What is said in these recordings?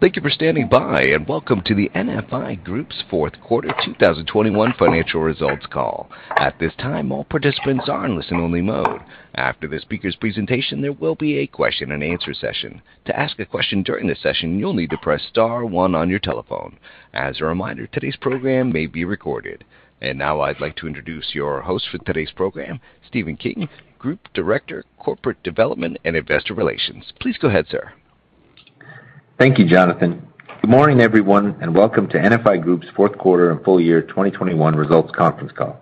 Thank you for standing by, and welcome to the NFI Group's Fourth Quarter 2021 Financial Results Call. At this time, all participants are in listen-only mode. After the speaker's presentation, there will be a question and answer session. To ask a question during this session, you'll need to press star one on your telephone. As a reminder, today's program may be recorded. Now I'd like to introduce your host for today's program, Stephen King, Group Director, Corporate Development and Investor Relations. Please go ahead, sir. Thank you, Jonathan. Good morning, everyone, and welcome to NFI Group's fourth quarter and full year 2021 results conference call.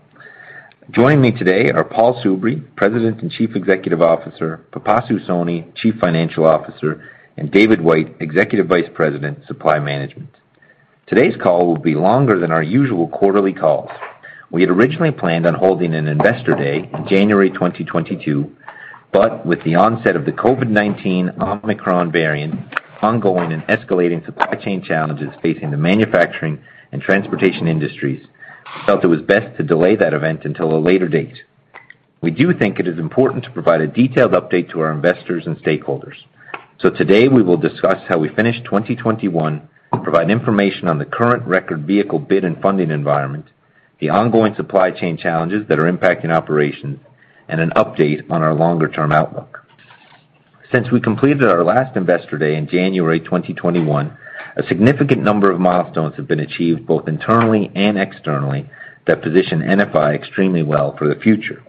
Joining me today are Paul Soubry, President and Chief Executive Officer, Pipasu Soni, Chief Financial Officer, and David White, Executive Vice President, Supply Management. Today's call will be longer than our usual quarterly calls. We had originally planned on holding an Investor Day in January 2022, but with the onset of the COVID-19 Omicron variant ongoing and escalating supply chain challenges facing the manufacturing and transportation industries, we felt it was best to delay that event until a later date. We do think it is important to provide a detailed update to our investors and stakeholders. Today, we will discuss how we finished 2021, provide information on the current record vehicle bid and funding environment, the ongoing supply chain challenges that are impacting operations, and an update on our longer-term outlook. Since we completed our last Investor Day in January 2021, a significant number of milestones have been achieved, both internally and externally, that position NFI extremely well for the future.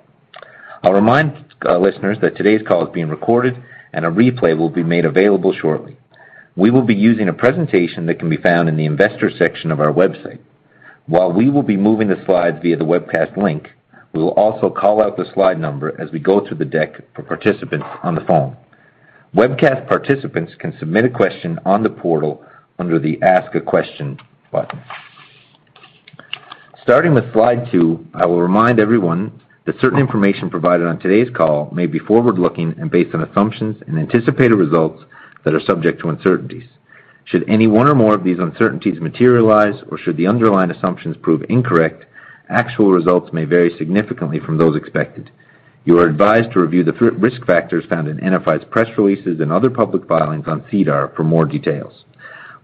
I'll remind our listeners that today's call is being recorded and a replay will be made available shortly. We will be using a presentation that can be found in the investor section of our website. While we will be moving the slides via the webcast link, we will also call out the slide number as we go through the deck for participants on the phone. Webcast participants can submit a question on the portal under the Ask a Question button. Starting with slide two, I will remind everyone that certain information provided on today's call may be forward-looking and based on assumptions and anticipated results that are subject to uncertainties. Should any one or more of these uncertainties materialize or should the underlying assumptions prove incorrect, actual results may vary significantly from those expected. You are advised to review the risk factors found in NFI's press releases and other public filings on SEDAR for more details.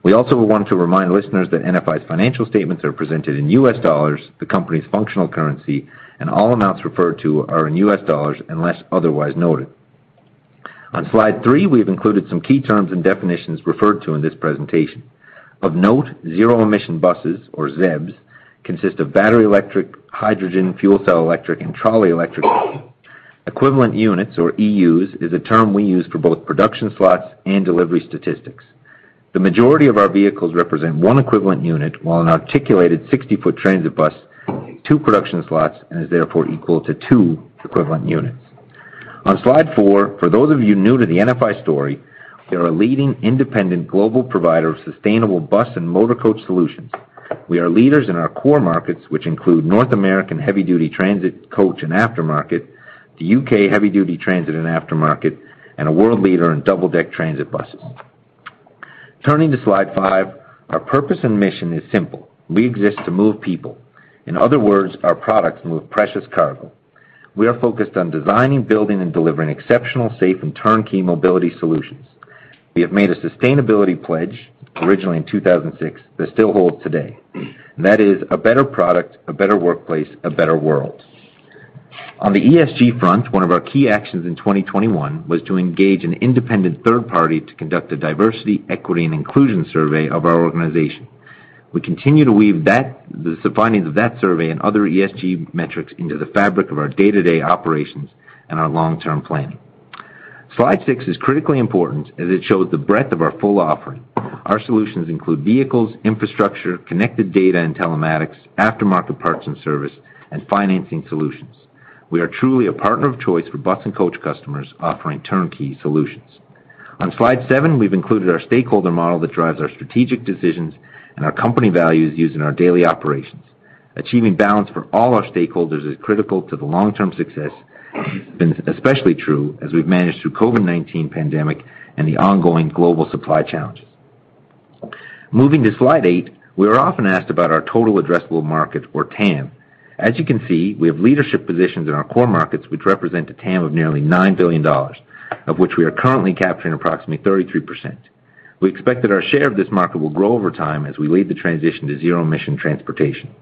We also want to remind listeners that NFI's financial statements are presented in US dollars, the company's functional currency, and all amounts referred to are in US dollars unless otherwise noted. On slide three, we have included some key terms and definitions referred to in this presentation. Of note, zero emission buses or ZEBs consist of battery electric, hydrogen, fuel cell electric, and trolley electric. Equivalent units or EUs is a term we use for both production slots and delivery statistics. The majority of our vehicles represent one equivalent unit, while an articulated 60-foot transit bus takes two production slots and is therefore equal to two equivalent units. On slide our, for those of you new to the NFI story, we are a leading independent global provider of sustainable bus and motor coach solutions. We are leaders in our core markets, which include North American heavy-duty transit, coach, and aftermarket, the U.K. heavy-duty transit and aftermarket, and a world leader in double-deck transit buses. Turning to slide five, our purpose and mission is simple. We exist to move people. In other words, our products move precious cargo. We are focused on designing, building, and delivering exceptional safe and turnkey mobility solutions. We have made a sustainability pledge originally in 2006 that still holds today. That is a better product, a better workplace, a better world. On the ESG front, one of our key actions in 2021 was to engage an independent third party to conduct a diversity, equity, and inclusion survey of our organization. We continue to weave that, the findings of that survey and other ESG metrics into the fabric of our day-to-day operations and our long-term planning. Slide six is critically important as it shows the breadth of our full offering. Our solutions include vehicles, infrastructure, connected data and telematics, aftermarket parts and service, and financing solutions. We are truly a partner of choice for bus and coach customers offering turnkey solutions. On slide seven, we've included our stakeholder model that drives our strategic decisions and our company values used in our daily operations. Achieving balance for all our stakeholders is critical to the long-term success, and especially true as we've managed through COVID-19 pandemic and the ongoing global supply challenges. Moving to slide eight, we are often asked about our total addressable market or TAM. As you can see, we have leadership positions in our core markets, which represent a TAM of nearly $9 billion, of which we are currently capturing approximately 33%. We expect that our share of this market will grow over time as we lead the transition to zero emission transportation.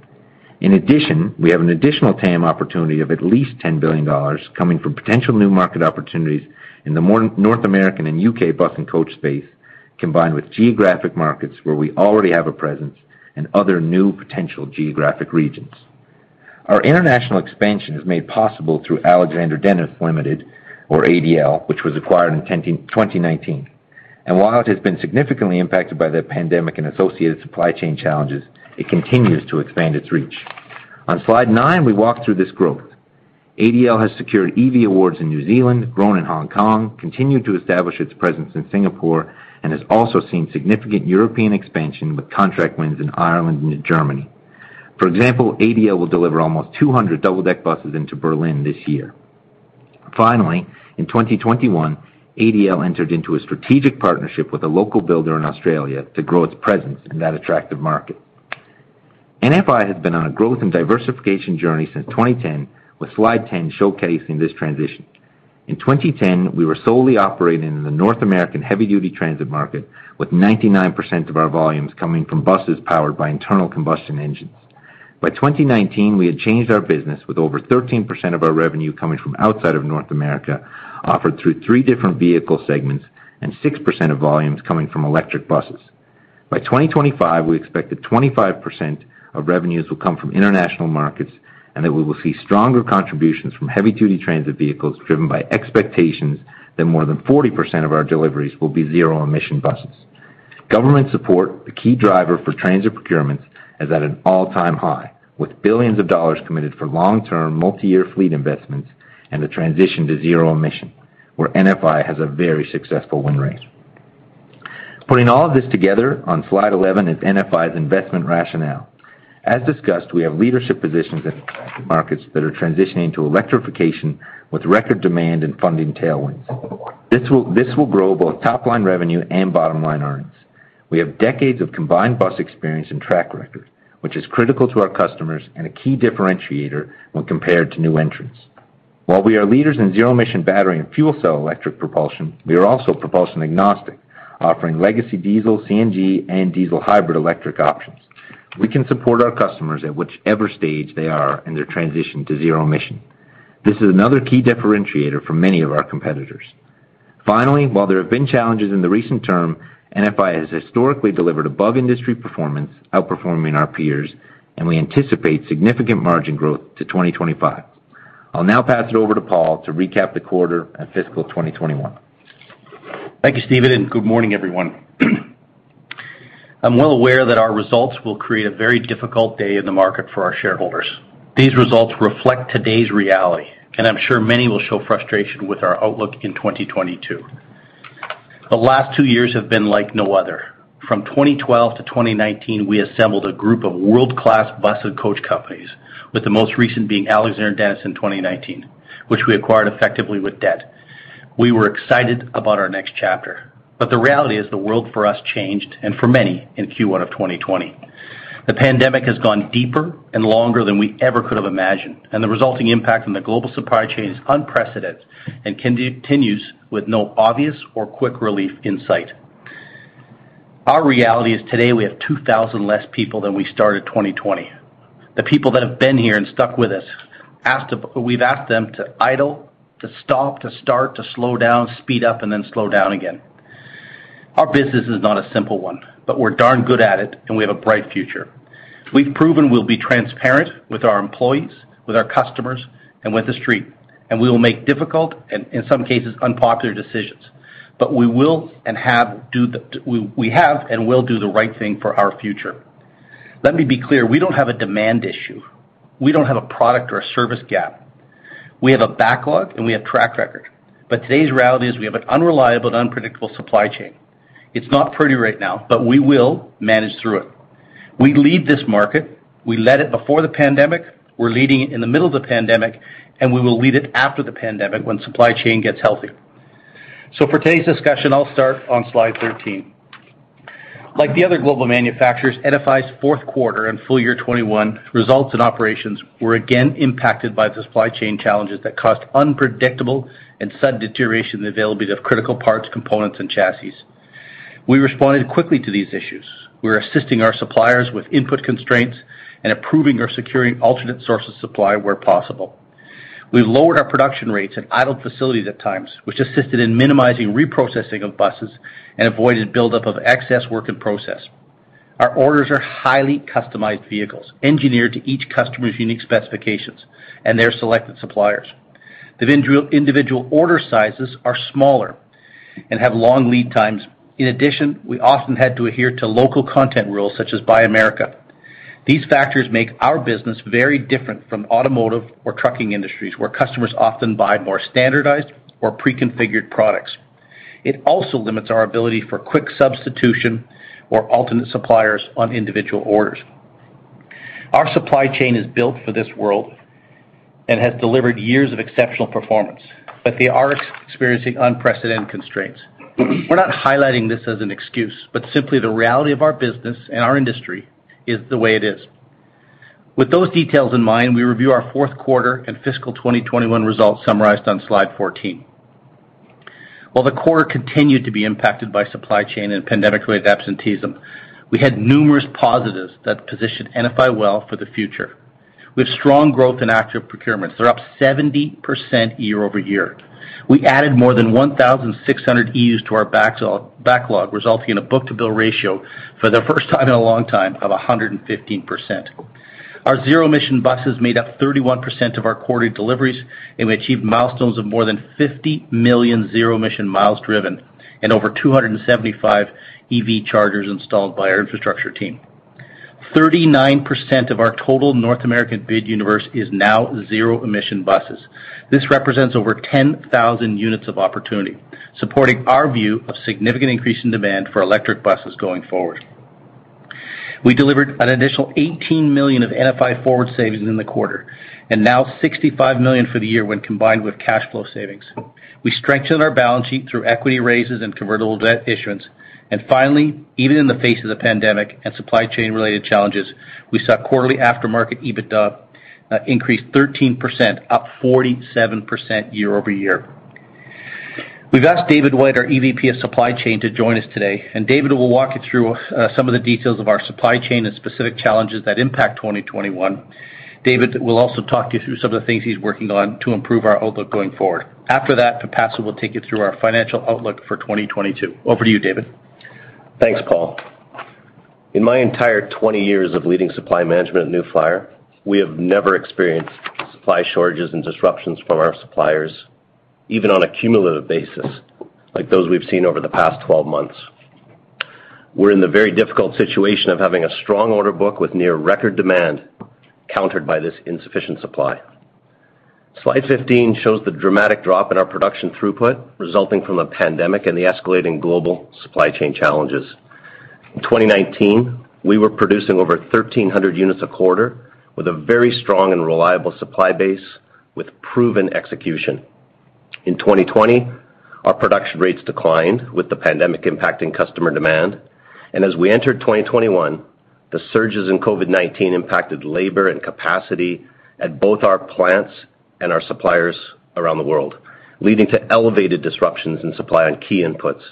In addition, we have an additional TAM opportunity of at least $10 billion coming from potential new market opportunities in the North American and U.K. bus and coach space, combined with geographic markets where we already have a presence and other new potential geographic regions. Our international expansion is made possible through Alexander Dennis Limited or ADL, which was acquired in 2019. While it has been significantly impacted by the pandemic and associated supply chain challenges, it continues to expand its reach. On slide nine, we walk through this growth. ADL has secured EV awards in New Zealand, grown in Hong Kong, continued to establish its presence in Singapore and has also seen significant European expansion with contract wins in Ireland and Germany. For example, ADL will deliver almost 200 double-deck buses into Berlin this year. Finally, in 2021, ADL entered into a strategic partnership with a local builder in Australia to grow its presence in that attractive market. NFI has been on a growth and diversification journey since 2010, with slide 10 showcasing this transition. In 2010, we were solely operating in the North American heavy-duty transit market, with 99% of our volumes coming from buses powered by internal combustion engines. By 2019, we had changed our business, with over 13% of our revenue coming from outside of North America, offered through three different vehicle segments, and 6% of volumes coming from electric buses. By 2025, we expect that 25% of revenues will come from international markets, and that we will see stronger contributions from heavy-duty transit vehicles driven by expectations that more than 40% of our deliveries will be zero-emission buses. Government support, the key driver for transit procurements, is at an all-time high, with billions of dollars committed for long-term multi-year fleet investments and the transition to zero-emission, where NFI has a very successful win rate. Putting all of this together on slide 11 is NFI's investment rationale. As discussed, we have leadership positions in markets that are transitioning to electrification with record demand and funding tailwinds. This will grow both top line revenue and bottom line earnings. We have decades of combined bus experience and track record, which is critical to our customers and a key differentiator when compared to new entrants. While we are leaders in zero emission battery and fuel cell electric propulsion, we are also propulsion agnostic, offering legacy diesel, CNG, and diesel hybrid electric options. We can support our customers at whichever stage they are in their transition to zero emission. This is another key differentiator for many of our competitors. Finally, while there have been challenges in the recent term, NFI has historically delivered above industry performance, outperforming our peers, and we anticipate significant margin growth to 2025. I'll now pass it over to Paul to recap the quarter and fiscal 2021. Thank you, Stephen, and good morning, everyone. I'm well aware that our results will create a very difficult day in the market for our shareholders. These results reflect today's reality, and I'm sure many will show frustration with our outlook in 2022. The last two years have been like no other. From 2012 to 2019, we assembled a group of world-class bus and coach companies, with the most recent being Alexander Dennis in 2019, which we acquired effectively with debt. We were excited about our next chapter, but the reality is the world for us changed, and for many in Q1 of 2020. The pandemic has gone deeper and longer than we ever could have imagined, and the resulting impact on the global supply chain is unprecedented and continues with no obvious or quick relief in sight. Our reality is today we have 2,000 less people than we started 2020. The people that have been here and stuck with us, we've asked them to idle, to stop, to start, to slow down, speed up, and then slow down again. Our business is not a simple one, but we're darn good at it and we have a bright future. We've proven we'll be transparent with our employees, with our customers, and with the street, and we will make difficult and, in some cases, unpopular decisions, but we have and will do the right thing for our future. Let me be clear, we don't have a demand issue. We don't have a product or a service gap. We have a backlog and we have track record, but today's reality is we have an unreliable and unpredictable supply chain. It's not pretty right now, but we will manage through it. We lead this market. We led it before the pandemic. We're leading it in the middle of the pandemic, and we will lead it after the pandemic when supply chain gets healthy. For today's discussion, I'll start on slide 13. Like the other global manufacturers, NFI's fourth quarter and full year 2021 results and operations were again impacted by the supply chain challenges that caused unpredictable and sudden deterioration in the availability of critical parts, components, and chassis. We responded quickly to these issues. We're assisting our suppliers with input constraints and approving or securing alternate sources of supply where possible. We've lowered our production rates and idled facilities at times, which assisted in minimizing reprocessing of buses and avoided buildup of excess work in process. Our orders are highly customized vehicles, engineered to each customer's unique specifications and their selected suppliers. The individual order sizes are smaller and have long lead times. In addition, we often had to adhere to local content rules such as Buy America. These factors make our business very different from automotive or trucking industries, where customers often buy more standardized or pre-configured products. It also limits our ability for quick substitution or alternate suppliers on individual orders. Our supply chain is built for this world and has delivered years of exceptional performance, but they are experiencing unprecedented constraints. We're not highlighting this as an excuse, but simply the reality of our business and our industry is the way it is. With those details in mind, we review our fourth quarter and fiscal 2021 results summarized on slide 14. While the quarter continued to be impacted by supply chain and pandemic-related absenteeism, we had numerous positives that positioned NFI well for the future. We have strong growth in active procurements. They're up 70% year-over-year. We added more than 1,600 EVs to our backlog, resulting in a book-to-bill ratio for the first time in a long time of 115%. Our zero-emission buses made up 31% of our quarterly deliveries, and we achieved milestones of more than 50 million zero-emission miles driven and over 275 EV chargers installed by our infrastructure team. 39% of our total North American bid universe is now zero-emission buses. This represents over 10,000 units of opportunity, supporting our view of significant increase in demand for electric buses going forward. We delivered an additional $18 million of NFI Forward savings in the quarter, and now $65 million for the year when combined with cash flow savings. We strengthened our balance sheet through equity raises and convertible debt issuance. Finally, even in the face of the pandemic and supply chain-related challenges, we saw quarterly aftermarket EBITDA Increased 13%, up 47% year-over-year. We've asked David White, our EVP of Supply Chain, to join us today, and David will walk you through some of the details of our supply chain and specific challenges that impact 2021. David will also talk you through some of the things he's working on to improve our outlook going forward. After that, Pipasu will take you through our financial outlook for 2022. Over to you, David. Thanks, Paul. In my entire 20 years of leading supply management at New Flyer, we have never experienced supply shortages and disruptions from our suppliers, even on a cumulative basis, like those we've seen over the past 12 months. We're in the very difficult situation of having a strong order book with near record demand countered by this insufficient supply. Slide 15 shows the dramatic drop in our production throughput resulting from the pandemic and the escalating global supply chain challenges. In 2019, we were producing over 1,300 units a quarter with a very strong and reliable supply base with proven execution. In 2020, our production rates declined with the pandemic impacting customer demand. As we entered 2021, the surges in COVID-19 impacted labor and capacity at both our plants and our suppliers around the world, leading to elevated disruptions in supply on key inputs.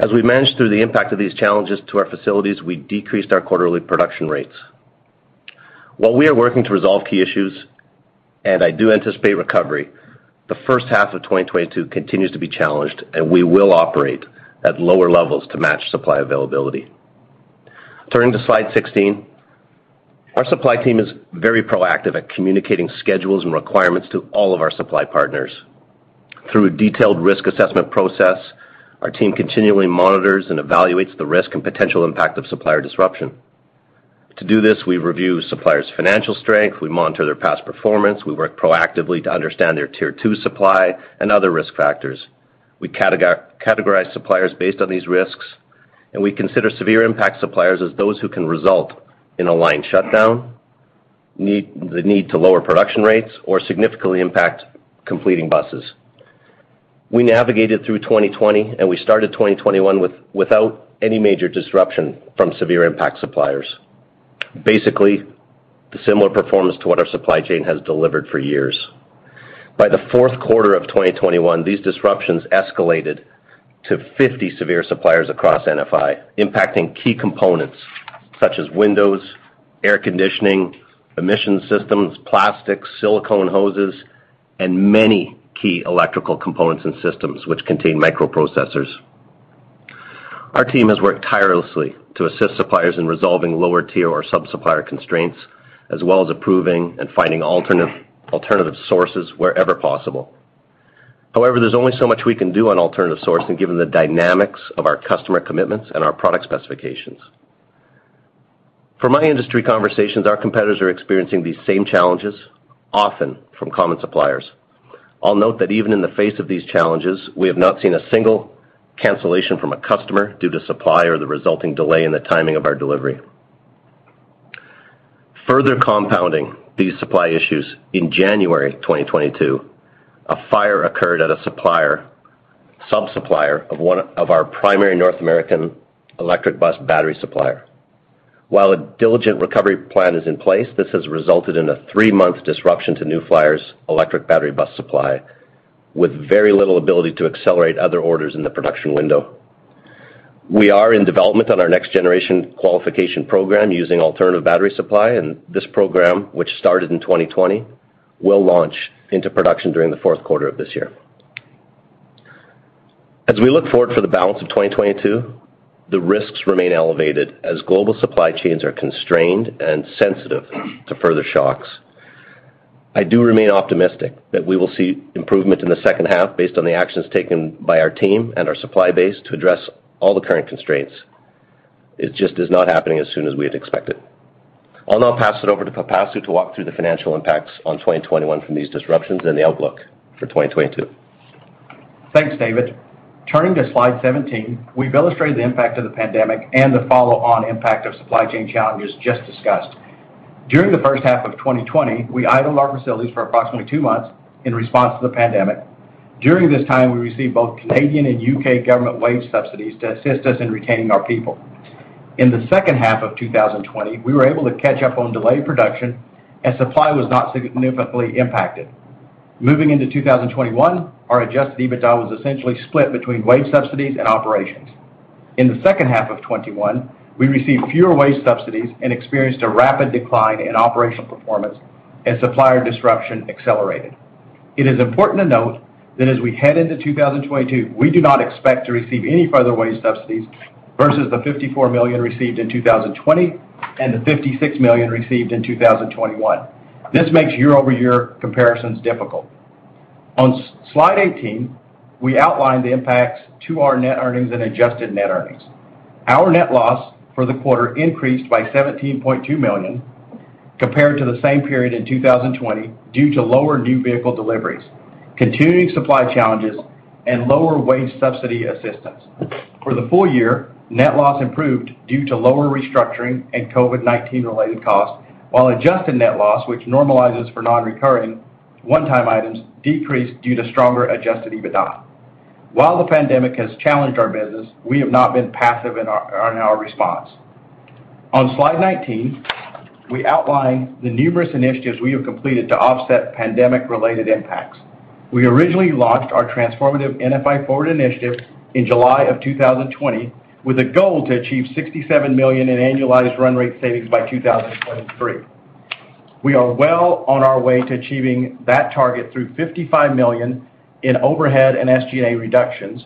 As we managed through the impact of these challenges to our facilities, we decreased our quarterly production rates. While we are working to resolve key issues, and I do anticipate recovery, the first half of 2022 continues to be challenged, and we will operate at lower levels to match supply availability. Turning to slide 16, our supply team is very proactive at communicating schedules and requirements to all of our supply partners. Through a detailed risk assessment process, our team continually monitors and evaluates the risk and potential impact of supplier disruption. To do this, we review suppliers' financial strength, we monitor their past performance, we work proactively to understand their tier two supply and other risk factors. We categorize suppliers based on these risks, and we consider severe impact suppliers as those who can result in a line shutdown, the need to lower production rates or significantly impact completing buses. We navigated through 2020, and we started 2021 without any major disruption from severe impact suppliers. Basically, the similar performance to what our supply chain has delivered for years. By the fourth quarter of 2021, these disruptions escalated to 50 severe suppliers across NFI, impacting key components such as windows, air conditioning, emissions systems, plastics, silicone hoses, and many key electrical components and systems which contain microprocessors. Our team has worked tirelessly to assist suppliers in resolving lower tier or sub-supplier constraints, as well as approving and finding alternative sources wherever possible. However, there's only so much we can do on alternative sourcing given the dynamics of our customer commitments and our product specifications. From my industry conversations, our competitors are experiencing these same challenges, often from common suppliers. I'll note that even in the face of these challenges, we have not seen a single cancellation from a customer due to supply or the resulting delay in the timing of our delivery. Further compounding these supply issues, in January 2022, a fire occurred at a supplier, sub-supplier of one of our primary North American electric bus battery supplier. While a diligent recovery plan is in place, this has resulted in a three-month disruption to New Flyer's electric battery bus supply, with very little ability to accelerate other orders in the production window. We are in development on our next generation qualification program using alternative battery supply, and this program, which started in 2020, will launch into production during the fourth quarter of this year. As we look forward for the balance of 2022, the risks remain elevated as global supply chains are constrained and sensitive to further shocks. I do remain optimistic that we will see improvement in the second half based on the actions taken by our team and our supply base to address all the current constraints. It just is not happening as soon as we had expected. I'll now pass it over to Pipasu to walk through the financial impacts on 2021 from these disruptions and the outlook for 2022. Thanks, David. Turning to slide 17, we've illustrated the impact of the pandemic and the follow on impact of supply chain challenges just discussed. During the first half of 2020, we idled our facilities for approximately two months in response to the pandemic. During this time, we received both Canadian and U.K. government wage subsidies to assist us in retaining our people. In the second half of 2020, we were able to catch up on delayed production and supply was not significantly impacted. Moving into 2021, our adjusted EBITDA was essentially split between wage subsidies and operations. In the second half of 2021, we received fewer wage subsidies and experienced a rapid decline in operational performance as supplier disruption accelerated. It is important to note that as we head into 2022, we do not expect to receive any further wage subsidies versus the $54 million received in 2020 and the $56 million received in 2021. This makes year-over-year comparisons difficult. On slide 18, we outlined the impacts to our net earnings and adjusted net earnings. Our net loss for the quarter increased by $17.2 million compared to the same period in 2020 due to lower new vehicle deliveries, continuing supply challenges, and lower wage subsidy assistance. For the full year, net loss improved due to lower restructuring and COVID-19 related costs, while adjusted net loss, which normalizes for non-recurring one-time items, decreased due to stronger adjusted EBITDA. While the pandemic has challenged our business, we have not been passive in our response. On slide 19, we outline the numerous initiatives we have completed to offset pandemic-related impacts. We originally launched our transformative NFI Forward initiative in July of 2020 with a goal to achieve 67 million in annualized run rate savings by 2023. We are well on our way to achieving that target through 55 million in overhead and SG&A reductions,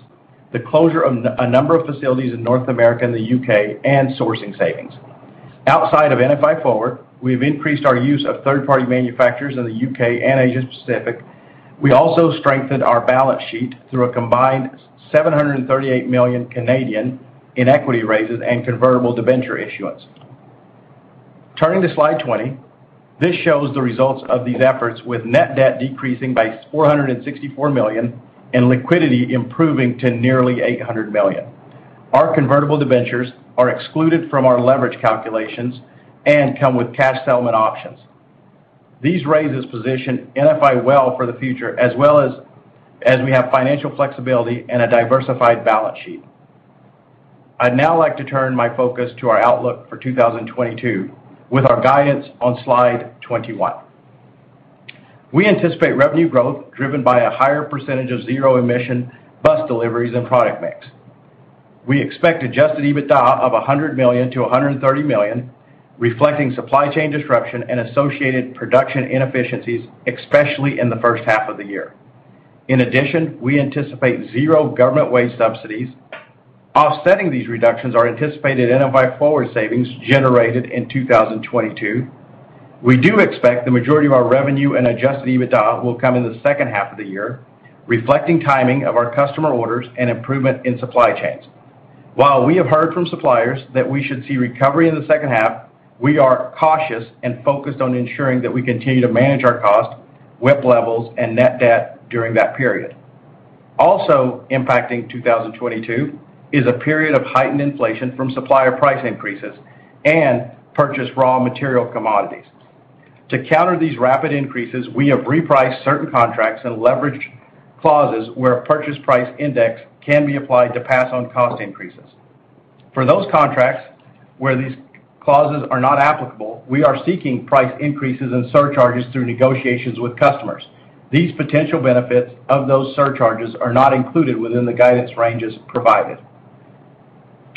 the closure of a number of facilities in North America and the U.K., and sourcing savings. Outside of NFI Forward, we've increased our use of third-party manufacturers in the U.K. and Asia Pacific. We also strengthened our balance sheet through a combined 738 million in equity raises and convertible debenture issuance. Turning to slide 20, this shows the results of these efforts with net debt decreasing by 464 million and liquidity improving to nearly 800 million. Our convertible debentures are excluded from our leverage calculations and come with cash settlement options. These raises position NFI well for the future, as well as we have financial flexibility and a diversified balance sheet. I'd now like to turn my focus to our outlook for 2022 with our guidance on slide 21. We anticipate revenue growth driven by a higher percentage of zero-emission bus deliveries and product mix. We expect adjusted EBITDA of $100 million-$130 million, reflecting supply chain disruption and associated production inefficiencies, especially in the first half of the year. In addition, we anticipate zero government wage subsidies. Offsetting these reductions are anticipated NFI Forward savings generated in 2022. We do expect the majority of our revenue and adjusted EBITDA will come in the second half of the year, reflecting timing of our customer orders and improvement in supply chains. While we have heard from suppliers that we should see recovery in the second half, we are cautious and focused on ensuring that we continue to manage our cost, WIP levels, and net debt during that period. Also impacting 2022 is a period of heightened inflation from supplier price increases and purchased raw material commodities. To counter these rapid increases, we have repriced certain contracts and leveraged clauses where a purchase price index can be applied to pass on cost increases. For those contracts where these clauses are not applicable, we are seeking price increases and surcharges through negotiations with customers. These potential benefits of those surcharges are not included within the guidance ranges provided.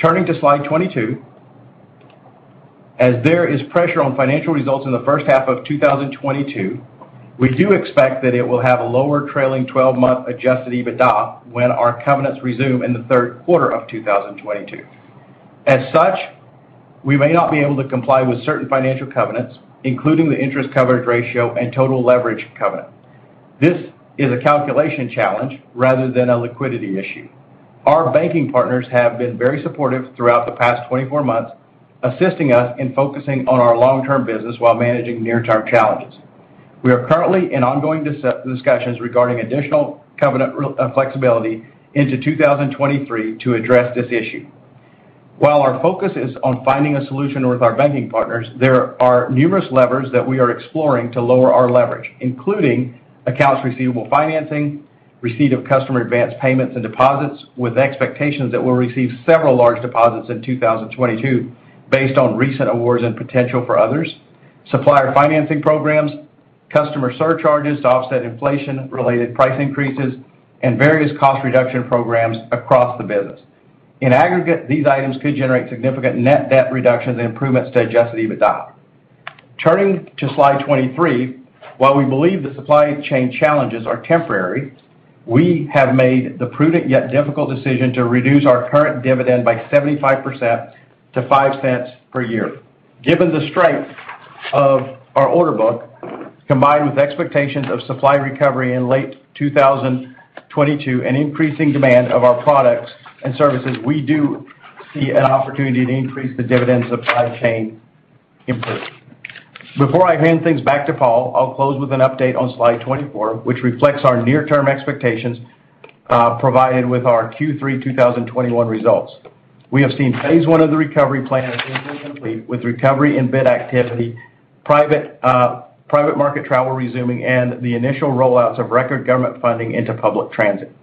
Turning to slide 22, as there is pressure on financial results in the first half of 2022, we do expect that it will have a lower trailing twelve-month adjusted EBITDA when our covenants resume in the third quarter of 2022. As such, we may not be able to comply with certain financial covenants, including the interest coverage ratio and total leverage covenant. This is a calculation challenge rather than a liquidity issue. Our banking partners have been very supportive throughout the past 24 months, assisting us in focusing on our long-term business while managing near-term challenges. We are currently in ongoing discussions regarding additional covenant flexibility into 2023 to address this issue. While our focus is on finding a solution with our banking partners, there are numerous levers that we are exploring to lower our leverage, including accounts receivable financing, receipt of customer advanced payments and deposits, with expectations that we'll receive several large deposits in 2022 based on recent awards and potential for others, supplier financing programs, customer surcharges to offset inflation-related price increases, and various cost reduction programs across the business. In aggregate, these items could generate significant net debt reductions and improvements to adjusted EBITDA. Turning to slide 23, while we believe the supply chain challenges are temporary, we have made the prudent yet difficult decision to reduce our current dividend by 75% to 0.05 per year. Given the strength of our order book, combined with expectations of supply recovery in late 2022 and increasing demand of our products and services, we do see an opportunity to increase the dividend as supply chain improves. Before I hand things back to Paul, I'll close with an update on slide 24, which reflects our near-term expectations, provided with our Q3 2021 results. We have seen phase one of the recovery plan is near complete, with recovery in bid activity, private market travel resuming, and the initial rollouts of record government funding into public transit.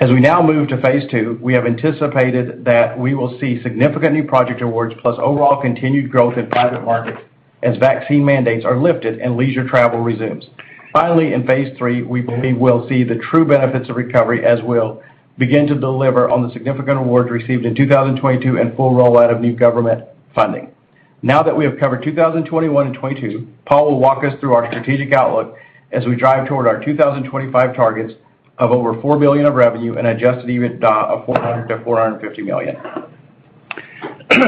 We now move to phase II, we have anticipated that we will see significant new project awards plus overall continued growth in private markets as vaccine mandates are lifted and leisure travel resumes. Finally, in phase III, we believe we'll see the true benefits of recovery as we'll begin to deliver on the significant awards received in 2022 and full rollout of new government funding. Now that we have covered 2021 and 2022, Paul will walk us through our strategic outlook as we drive toward our 2025 targets of over $4 billion of revenue and adjusted EBITDA of $400 million-$450 million.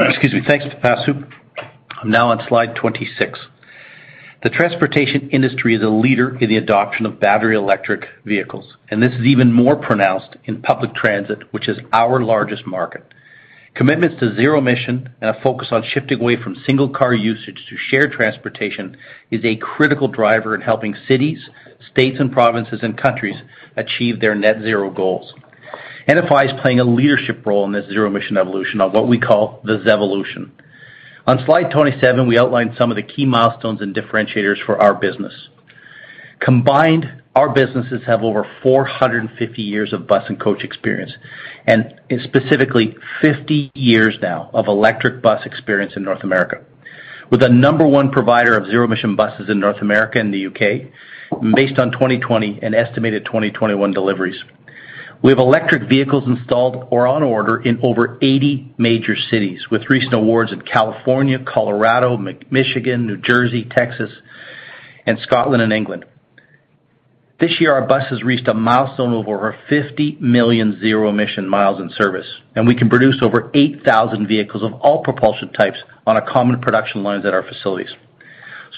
Excuse me. Thanks, Pipasu. I'm now on slide 26. The transportation industry is a leader in the adoption of battery electric vehicles, and this is even more pronounced in public transit, which is our largest market. Commitments to zero-emission and a focus on shifting away from single car usage to shared transportation is a critical driver in helping cities, states and provinces and countries achieve their net zero goals. NFI is playing a leadership role in this zero-emission evolution of what we call the ZEvolution. On slide 27, we outlined some of the key milestones and differentiators for our business. Combined, our businesses have over 450 years of bus and coach experience, and specifically 50 years now of electric bus experience in North America. We're the number one provider of zero-emission buses in North America and the U.K. based on 2020 and estimated 2021 deliveries. We have electric vehicles installed or on order in over 80 major cities, with recent awards in California, Colorado, Michigan, New Jersey, Texas, and Scotland and England. This year, our buses reached a milestone of over 50 million zero-emission miles in service, and we can produce over 8,000 vehicles of all propulsion types on our common production lines at our facilities.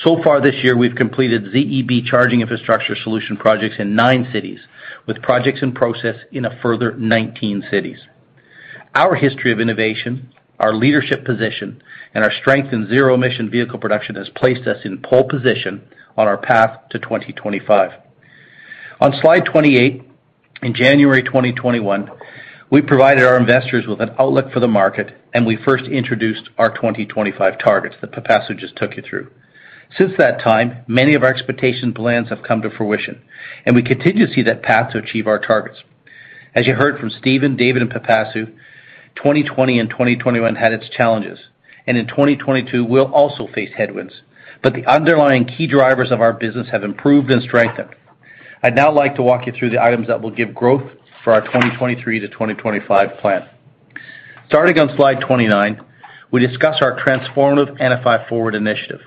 So far this year, we've completed ZEB charging infrastructure solution projects in nine cities, with projects in process in a further 19 cities. Our history of innovation, our leadership position, and our strength in zero-emission vehicle production has placed us in pole position on our path to 2025. On slide 28, in January 2021, we provided our investors with an outlook for the market, and we first introduced our 2025 targets that Pipasu just took you through. Since that time, many of our expectation plans have come to fruition, and we continue to see that path to achieve our targets. As you heard from Stephen, David, and Pipasu, 2020 and 2021 had its challenges, and in 2022 we'll also face headwinds, but the underlying key drivers of our business have improved and strengthened. I'd now like to walk you through the items that will give growth for our 2023 to 2025 plan. Starting on slide 29, we discuss our transformative NFI Forward initiative.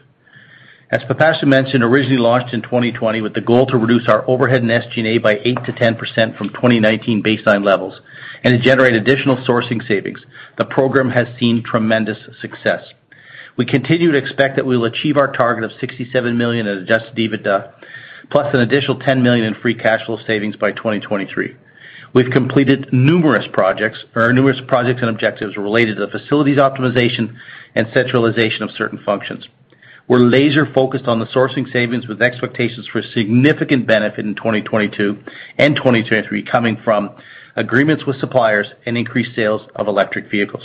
As Pipasu mentioned, originally launched in 2020 with the goal to reduce our overhead and SG&A by 8%-10% from 2019 baseline levels and to generate additional sourcing savings, the program has seen tremendous success. We continue to expect that we will achieve our target of $ 67 million in adjusted EBITDA, plus an additional $10 million in free cash flow savings by 2023. We've completed numerous projects and objectives related to the facilities optimization and centralization of certain functions. We're laser-focused on the sourcing savings with expectations for significant benefit in 2022 and 2023 coming from agreements with suppliers and increased sales of electric vehicles.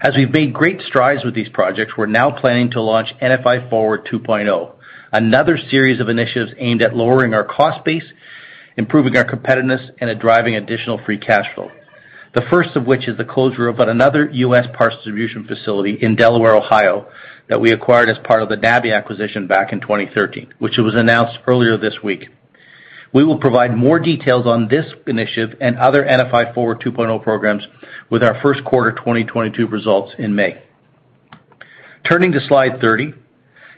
As we've made great strides with these projects, we're now planning to launch NFI Forward 2.0, another series of initiatives aimed at lowering our cost base, improving our competitiveness, and at driving additional free cash flow. The first of which is the closure of another U.S. parts distribution facility in Delaware, Ohio, that we acquired as part of the NABI acquisition back in 2013, which was announced earlier this week. We will provide more details on this initiative and other NFI Forward 2.0 programs with our first quarter 2022 results in May. Turning to slide 30,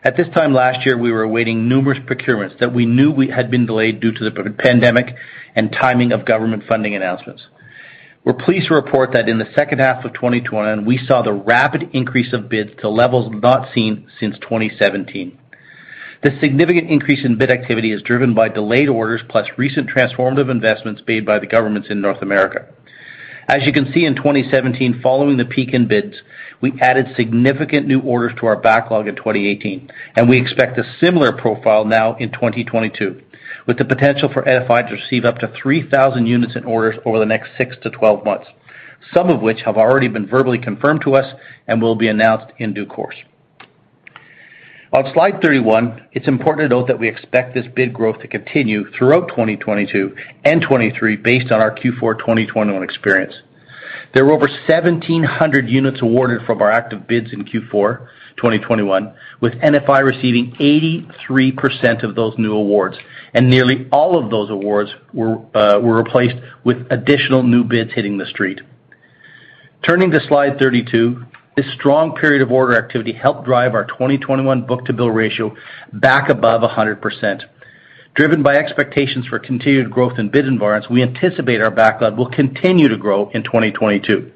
at this time last year, we were awaiting numerous procurements that we knew had been delayed due to the pandemic and timing of government funding announcements. We're pleased to report that in the second half of 2021, we saw the rapid increase of bids to levels not seen since 2017. This significant increase in bid activity is driven by delayed orders plus recent transformative investments made by the governments in North America. As you can see in 2017, following the peak in bids, we added significant new orders to our backlog in 2018, and we expect a similar profile now in 2022, with the potential for NFI to receive up to 3,000 units in orders over the next six-12 months, some of which have already been verbally confirmed to us and will be announced in due course. On slide 31, it's important to note that we expect this bid growth to continue throughout 2022 and 2023 based on our Q4 2021 experience. There were over 1,700 units awarded from our active bids in Q4 2021, with NFI receiving 83% of those new awards, and nearly all of those awards were replaced with additional new bids hitting the street. Turning to slide 32, this strong period of order activity helped drive our 2021 book-to-bill ratio back above 100%. Driven by expectations for continued growth in bid environments, we anticipate our backlog will continue to grow in 2022.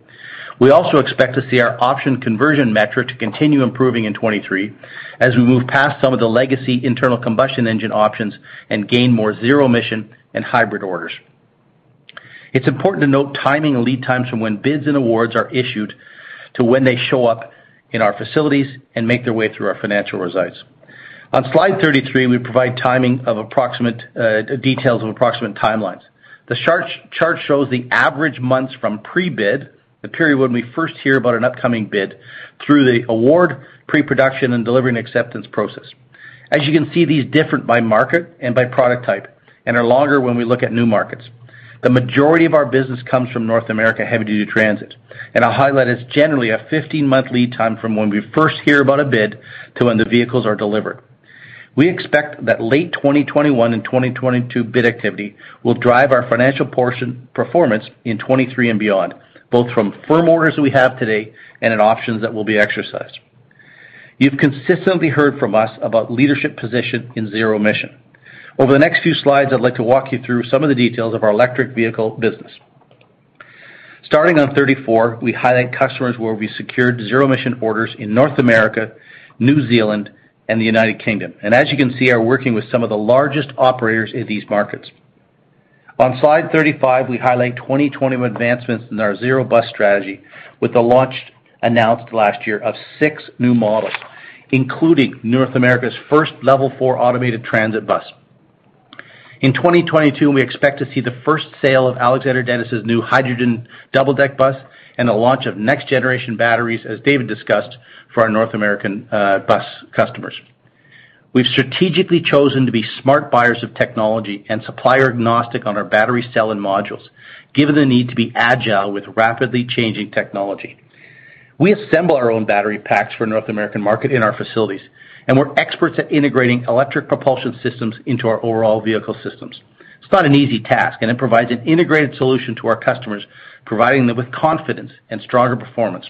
We also expect to see our option conversion metric to continue improving in 2023 as we move past some of the legacy internal combustion engine options and gain more zero-emission and hybrid orders. It's important to note timing and lead times from when bids and awards are issued to when they show up in our facilities and make their way through our financial results. On slide 33, we provide timing of approximate details of approximate timelines. The chart shows the average months from pre-bid, the period when we first hear about an upcoming bid through the award, pre-production, and delivery and acceptance process. As you can see, these differ by market and by product type and are longer when we look at new markets. The majority of our business comes from North American heavy-duty transit, and I'll highlight it's generally a 15-month lead time from when we first hear about a bid to when the vehicles are delivered. We expect that late 2021 and 2022 bid activity will drive our financial performance in 2023 and beyond, both from firm orders we have today and in options that will be exercised. You've consistently heard from us about leadership position in zero-emission. Over the next few slides, I'd like to walk you through some of the details of our electric vehicle business. Starting on 34, we highlight customers where we secured zero-emission orders in North America, New Zealand, and the United Kingdom, and as you can see, are working with some of the largest operators in these markets. On slide 35, we highlight 2021 advancements in our zero-emission bus strategy with the launch announced last year of six new models, including North America's first Level 4 automated transit bus. In 2022, we expect to see the first sale of Alexander Dennis' new hydrogen double-deck bus and the launch of next-generation batteries, as David discussed, for our North American bus customers. We've strategically chosen to be smart buyers of technology and supplier agnostic on our battery cell and modules, given the need to be agile with rapidly changing technology. We assemble our own battery packs for North American market in our facilities, and we're experts at integrating electric propulsion systems into our overall vehicle systems. It's not an easy task, and it provides an integrated solution to our customers, providing them with confidence and stronger performance.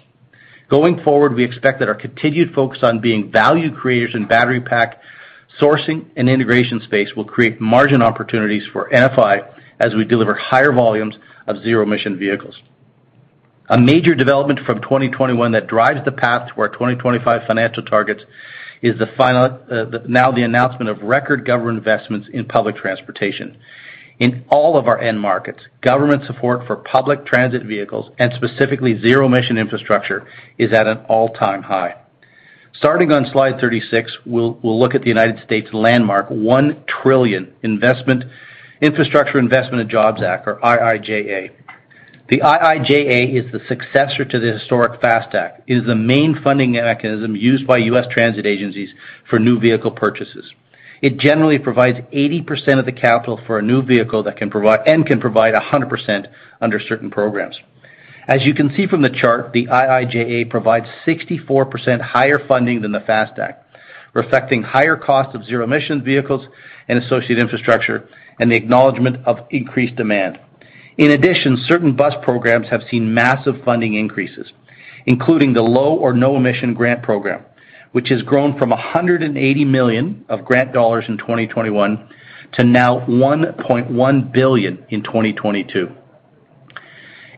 Going forward, we expect that our continued focus on being value creators in battery pack sourcing and integration space will create margin opportunities for NFI as we deliver higher volumes of zero-emission vehicles. A major development from 2021 that drives the path to our 2025 financial targets is the announcement of record government investments in public transportation. In all of our end markets, government support for public transit vehicles, and specifically zero-emission infrastructure, is at an all-time high. Starting on slide 36, we'll look at the U.S. landmark $1 trillion Infrastructure Investment and Jobs Act or IIJA. The IIJA is the successor to the historic FAST Act. It is the main funding mechanism used by U.S. transit agencies for new vehicle purchases. It generally provides 80% of the capital for a new vehicle and can provide 100% under certain programs. As you can see from the chart, the IIJA provides 64% higher funding than the FAST Act, reflecting higher cost of zero-emission vehicles and associated infrastructure and the acknowledgment of increased demand. In addition, certain bus programs have seen massive funding increases, including the Low or No Emission Grant Program, which has grown from $180 million of grant dollars in 2021 to now $1.1 billion in 2022.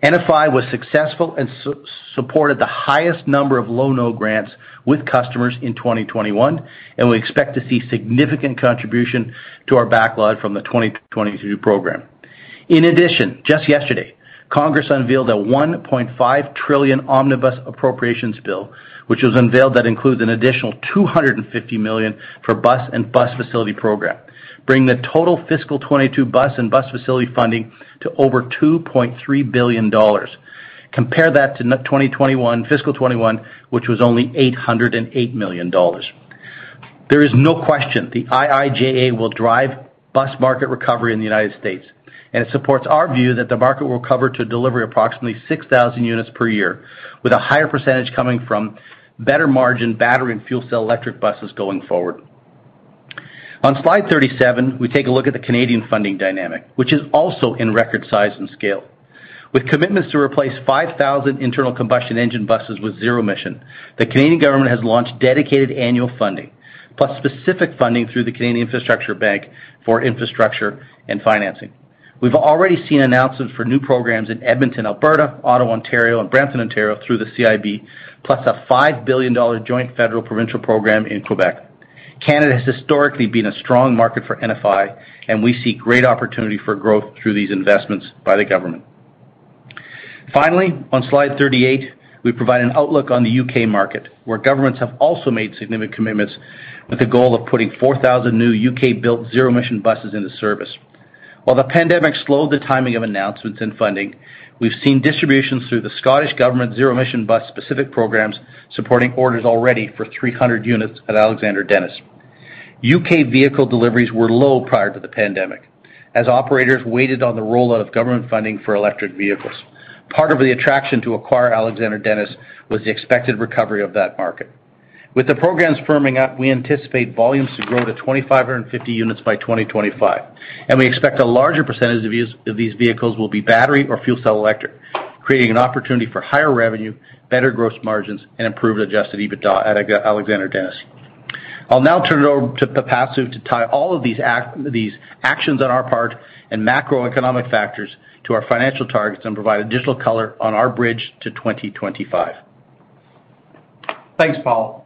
NFI was successful and supported the highest number of Low-No grants with customers in 2021, and we expect to see significant contribution to our backlog from the 2022 program. In addition, just yesterday, Congress unveiled a $1.5 trillion omnibus appropriations bill, which includes an additional $250 million for Bus and Bus Facilities Program, bringing the total fiscal 2022 Bus and Bus Facilities funding to over $2.3 billion. Compare that to 2021, fiscal 2021, which was only $808 million. There is no question the IIJA will drive bus market recovery in the United States, and it supports our view that the market will recover to deliver approximately 6,000 units per year with a higher percentage coming from better margin battery and fuel cell electric buses going forward. On slide 37, we take a look at the Canadian funding dynamic, which is also in record size and scale. With commitments to replace 5,000 internal combustion engine buses with zero-emission, the Canadian government has launched dedicated annual funding plus specific funding through the Canada Infrastructure Bank for infrastructure and financing. We've already seen announcements for new programs in Edmonton, Alberta, Ottawa, Ontario, and Brampton, Ontario, through the CIB, plus a $5 billion joint federal provincial program in Quebec. Canada has historically been a strong market for NFI, and we see great opportunity for growth through these investments by the government. Finally, on slide 38, we provide an outlook on the U.K. market, where governments have also made significant commitments with the goal of putting 4,000 new U.K.-built zero-emission buses into service. While the pandemic slowed the timing of announcements and funding, we've seen distributions through the Scottish Government zero-emission bus specific programs supporting orders already for 300 units at Alexander Dennis. U.K. vehicle deliveries were low prior to the pandemic as operators waited on the rollout of government funding for electric vehicles. Part of the attraction to acquire Alexander Dennis was the expected recovery of that market. With the programs firming up, we anticipate volumes to grow to 2,550 units by 2025, and we expect a larger percentage of these vehicles will be battery or fuel cell electric, creating an opportunity for higher revenue, better gross margins and improved adjusted EBITDA at Alexander Dennis. I'll now turn it over to Pipasu to tie all of these actions on our part and macroeconomic factors to our financial targets and provide additional color on our bridge to 2025. Thanks, Paul.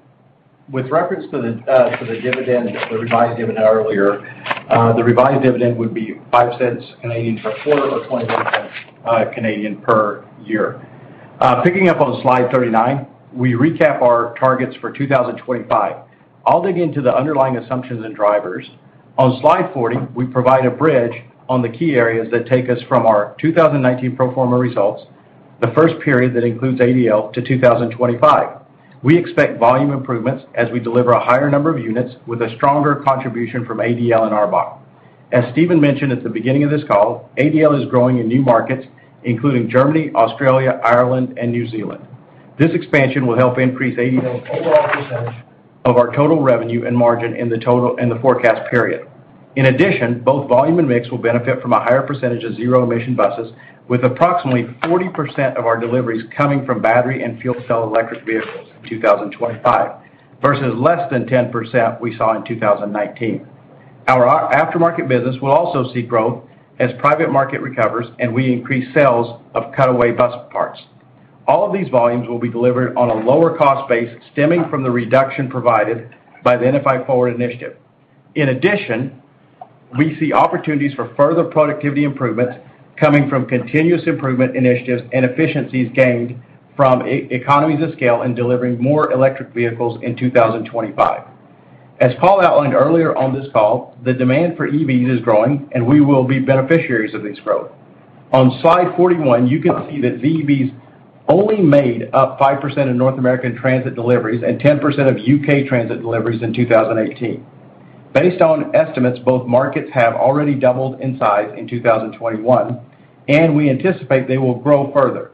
With reference to the dividend, the revised dividend would be 0.05 for a quarter or 0.21 per year. Picking up on slide 39, we recap our targets for 2025. I'll dig into the underlying assumptions and drivers. On slide 40, we provide a bridge on the key areas that take us from our 2019 pro forma results, the first period that includes ADL to 2025. We expect volume improvements as we deliver a higher number of units with a stronger contribution from ADL in our portfolio. As Stephen mentioned at the beginning of this call, ADL is growing in new markets, including Germany, Australia, Ireland and New Zealand. This expansion will help increase ADL's overall percentage of our total revenue and margin in the forecast period. In addition, both volume and mix will benefit from a higher percentage of zero-emission buses, with approximately 40% of our deliveries coming from battery and fuel cell electric vehicles in 2025, versus less than 10% we saw in 2019. Our aftermarket business will also see growth as private market recovers and we increase sales of cutaway bus parts. All of these volumes will be delivered on a lower cost base stemming from the reduction provided by the NFI Forward initiative. In addition, we see opportunities for further productivity improvements coming from continuous improvement initiatives and efficiencies gained from economies of scale and delivering more electric vehicles in 2025. As Paul outlined earlier on this call, the demand for EVs is growing, and we will be beneficiaries of this growth. On slide 41, you can see that EVs only made up 5% of North American transit deliveries and 10% of U.K. transit deliveries in 2018. Based on estimates, both markets have already doubled in size in 2021, and we anticipate they will grow further.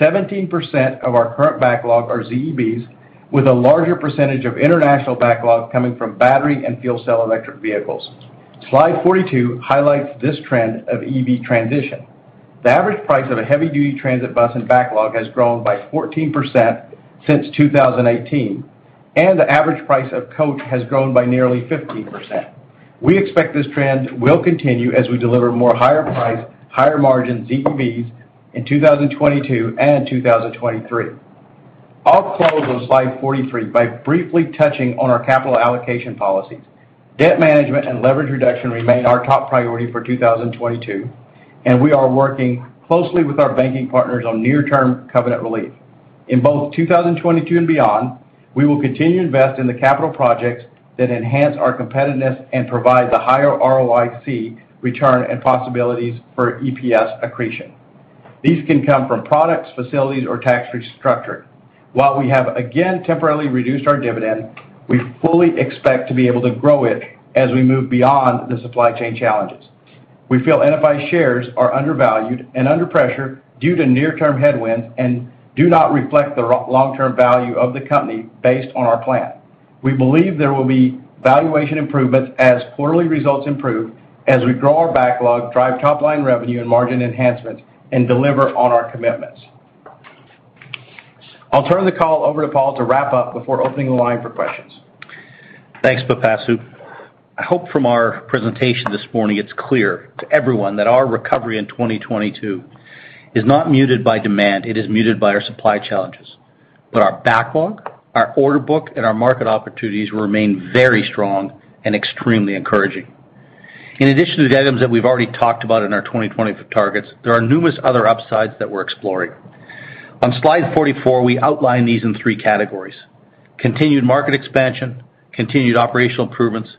17% of our current backlog are ZEBs, with a larger percentage of international backlog coming from battery and fuel cell electric vehicles. Slide 42 highlights this trend of EV transition. The average price of a heavy-duty transit bus and backlog has grown by 14% since 2018, and the average price of coach has grown by nearly 15%. We expect this trend will continue as we deliver more higher priced, higher margin EVs in 2022 and 2023. I'll close on slide 43 by briefly touching on our capital allocation policies. Debt management and leverage reduction remain our top priority for 2022, and we are working closely with our banking partners on near-term covenant relief. In both 2022 and beyond, we will continue to invest in the capital projects that enhance our competitiveness and provide the higher ROIC return and possibilities for EPS accretion. These can come from products, facilities, or tax restructuring. While we have again temporarily reduced our dividend, we fully expect to be able to grow it as we move beyond the supply chain challenges. We feel NFI shares are undervalued and under pressure due to near-term headwinds and do not reflect the long-term value of the company based on our plan. We believe there will be valuation improvements as quarterly results improve as we grow our backlog, drive top-line revenue and margin enhancements, and deliver on our commitments. I'll turn the call over to Paul to wrap up before opening the line for questions. Thanks, Pipasu. I hope from our presentation this morning it's clear to everyone that our recovery in 2022 is not muted by demand, it is muted by our supply challenges. Our backlog, our order book, and our market opportunities remain very strong and extremely encouraging. In addition to the items that we've already talked about in our 2025 targets, there are numerous other upsides that we're exploring. On slide 44, we outline these in three categories. Continued market expansion, continued operational improvements,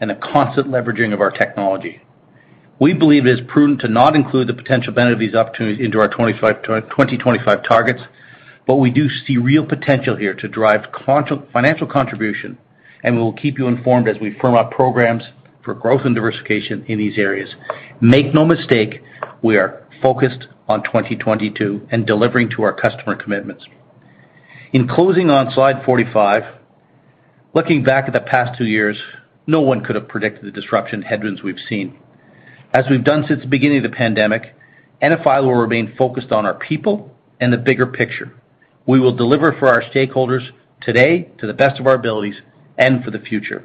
and a constant leveraging of our technology. We believe it is prudent to not include the potential benefit of these opportunities into our 2025 targets, but we do see real potential here to drive financial contribution, and we will keep you informed as we firm up programs for growth and diversification in these areas. Make no mistake, we are focused on 2022 and delivering to our customer commitments. In closing on slide 45, looking back at the past two years, no one could have predicted the disruption headwinds we've seen. As we've done since the beginning of the pandemic, NFI will remain focused on our people and the bigger picture. We will deliver for our stakeholders today to the best of our abilities and for the future.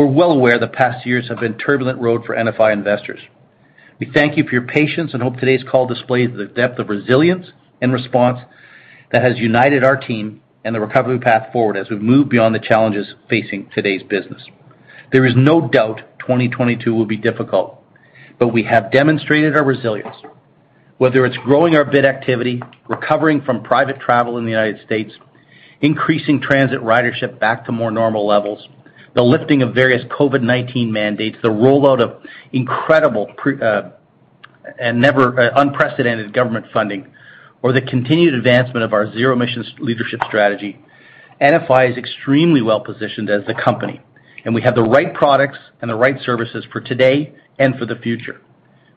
We're well aware the past years have been turbulent road for NFI investors. We thank you for your patience and hope today's call displays the depth of resilience and response that has united our team and the recovery path forward as we move beyond the challenges facing today's business. There is no doubt 2022 will be difficult, but we have demonstrated our resilience. Whether it's growing our bid activity, recovering from private travel in the United States, increasing transit ridership back to more normal levels, the lifting of various COVID-19 mandates, the rollout of incredible unprecedented government funding, or the continued advancement of our zero emissions leadership strategy, NFI is extremely well-positioned as a company, and we have the right products and the right services for today and for the future.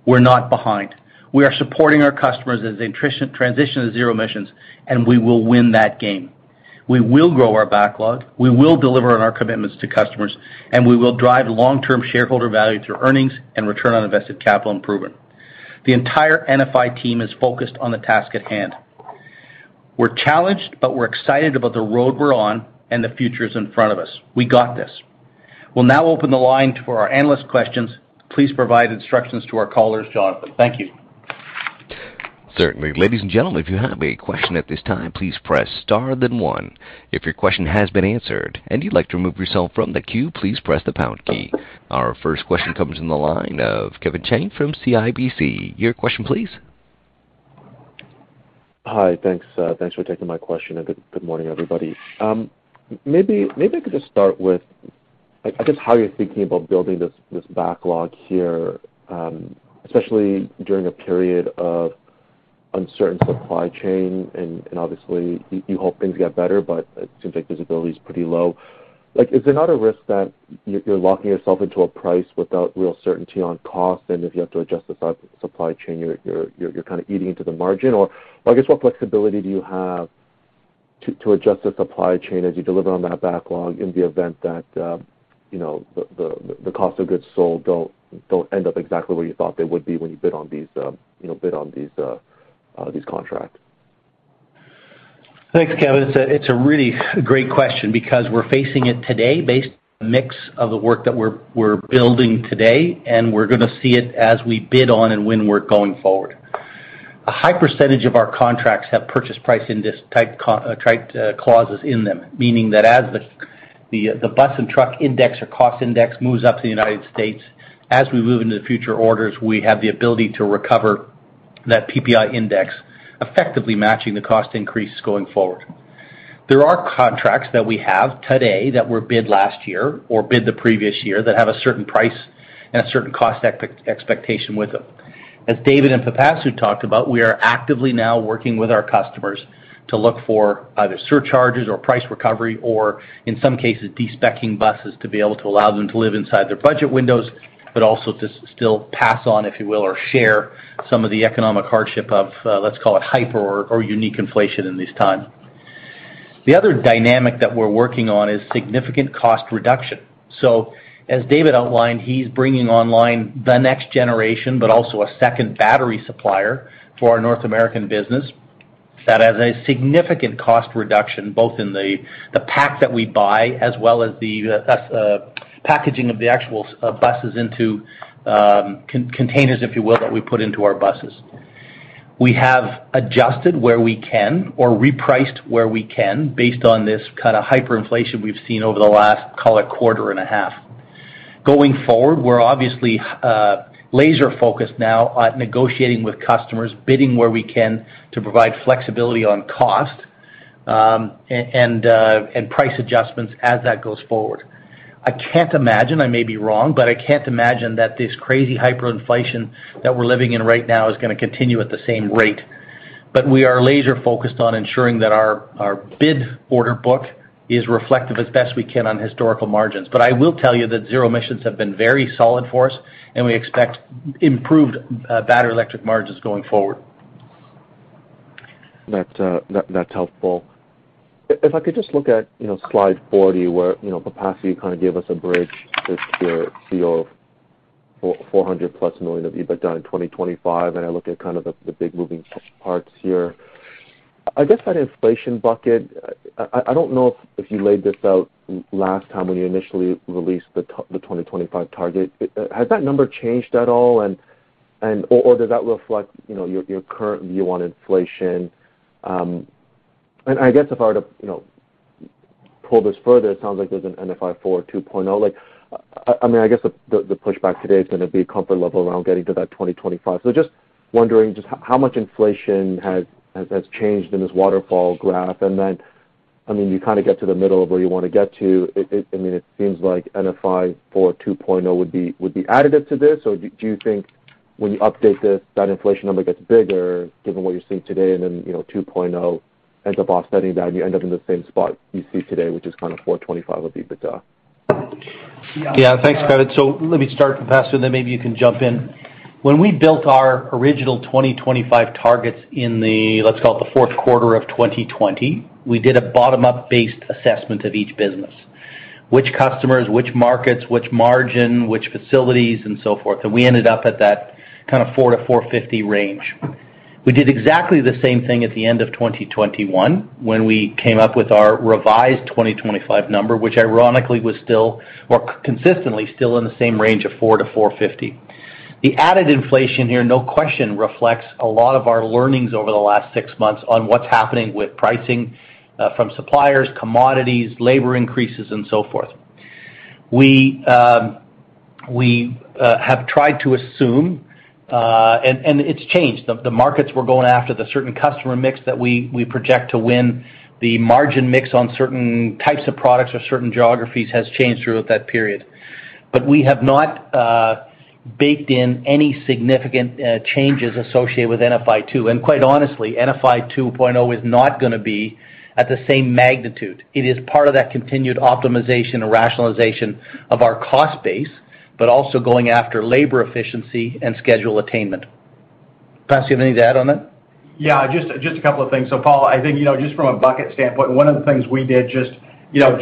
We're not behind. We are supporting our customers as they transition to zero emissions, and we will win that game. We will grow our backlog, we will deliver on our commitments to customers, and we will drive long-term shareholder value through earnings and return on invested capital improvement. The entire NFI team is focused on the task at hand. We're challenged, but we're excited about the road we're on and the futures in front of us. We got this. We'll now open the line to our analyst questions. Please provide instructions to our callers, Jonathan. Thank you. Certainly. Ladies and gentlemen, if you have a question at this time, please press star then one. If your question has been answered and you'd like to remove yourself from the queue, please press the pound key. Our first question comes from the line of Kevin Chiang from CIBC. Your question please. Hi. Thanks. Thanks for taking my question and good morning, everybody. Maybe I could just start with, I guess how you're thinking about building this backlog here, especially during a period of uncertain supply chain. Obviously you hope things get better, but it seems like visibility is pretty low. Like, is there not a risk that you're locking yourself into a price without real certainty on cost, and if you have to adjust the supply chain, you're kind of eating into the margin? I guess what flexibility do you have to adjust the supply chain as you deliver on that backlog in the event that, you know, the cost of goods sold don't end up exactly where you thought they would be when you bid on these contracts? Thanks, Kevin. It's a really great question because we're facing it today based on the mix of the work that we're building today, and we're gonna see it as we bid on and win work going forward. A high percentage of our contracts have purchase price index type clauses in them, meaning that as the bus and truck index or cost index moves up to the United States. As we move into the future orders, we have the ability to recover that PPI index, effectively matching the cost increase going forward. There are contracts that we have today that were bid last year or bid the previous year that have a certain price and a certain cost expectation with them. As David and Pipasu have talked about, we are actively now working with our customers to look for either surcharges or price recovery, or in some cases, de-speccing buses to be able to allow them to live inside their budget windows, but also to still pass on, if you will, or share some of the economic hardship of, let's call it hyper or unique inflation in these times. The other dynamic that we're working on is significant cost reduction. As David outlined, he's bringing online the next generation but also a second battery supplier for our North American business that has a significant cost reduction both in the pack that we buy as well as the packaging of the actual buses into containers, if you will, that we put into our buses. We have adjusted where we can or repriced where we can based on this kind of hyperinflation we've seen over the last, call it, quarter and a half. Going forward, we're obviously laser focused now at negotiating with customers, bidding where we can to provide flexibility on cost, and price adjustments as that goes forward. I can't imagine, I may be wrong, but I can't imagine that this crazy hyperinflation that we're living in right now is gonna continue at the same rate. We are laser focused on ensuring that our bid order book is reflective as best we can on historical margins. I will tell you that zero emissions have been very solid for us, and we expect improved battery electric margins going forward. That's helpful. If I could just look at, you know, slide 40 where, you know, Pipasu, you kind of gave us a bridge this year to your $400+ million of EBITDA in 2025, and I look at kind of the big moving parts here. I guess that inflation bucket, I don't know if you laid this out last time when you initially released the 2025 target. Has that number changed at all and or does that reflect, you know, your current view on inflation? And I guess if I were to, you know, pull this further, it sounds like there's an NFI Forward 2.0. Like, I mean, I guess the pushback today is gonna be comfort level around getting to that 2025. Just wondering just how much inflation has changed in this waterfall graph. I mean, you kind of get to the middle of where you want to get to. I mean, it seems like NFI Forward 2.0 would be additive to this, so do you think when you update this, that inflation number gets bigger given what you're seeing today and then, you know, 2.0 ends up offsetting that and you end up in the same spot you see today, which is kind of $425 million of EBITDA? Yeah. Thanks, Kevin. Let me start, Pipasu, and then maybe you can jump in. When we built our original 2025 targets in the, let's call it, the fourth quarter of 2020, we did a bottom-up based assessment of each business. Which customers, which markets, which margin, which facilities, and so forth, and we ended up at that kind of $400-$450 range. We did exactly the same thing at the end of 2021 when we came up with our revised 2025 number, which ironically was still or consistently still in the same range of $400-$450. The added inflation here, no question, reflects a lot of our learnings over the last six months on what's happening with pricing from suppliers, commodities, labor increases, and so forth. We have tried to assume, and it's changed. The markets we're going after, the certain customer mix that we project to win, the margin mix on certain types of products or certain geographies has changed throughout that period. We have not baked in any significant changes associated with NFI 2. Quite honestly, NFI 2.0 is not gonna be at the same magnitude. It is part of that continued optimization and rationalization of our cost base, but also going after labor efficiency and schedule attainment. Pipasu, you have anything to add on that? Yeah, just a couple of things. Paul, I think you know, just from a bucket standpoint, one of the things we did you know,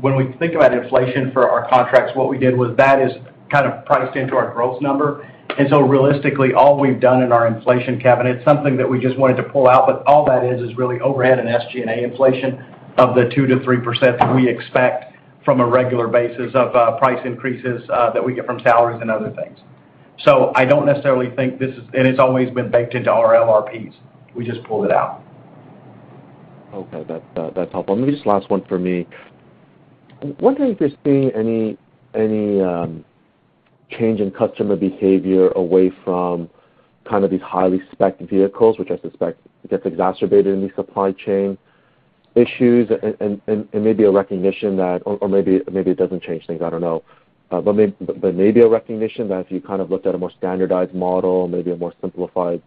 when we think about inflation for our contracts, what we did was that is kind of priced into our growth number. Realistically, all we've done in our inflation bucket, something that we just wanted to pull out, but all that is really overhead and SG&A inflation of the 2%-3% that we expect on a regular basis of price increases that we get from salaries and other things. I don't necessarily think this is. It's always been baked into our LRPs. We just pulled it out. Okay. That's helpful. Maybe this last one for me. Wondering if you're seeing any change in customer behavior away from kind of these highly specced vehicles, which I suspect gets exacerbated in these supply chain issues and maybe a recognition that maybe it doesn't change things, I don't know. But maybe a recognition that if you kind of looked at a more standardized model, maybe a more simplified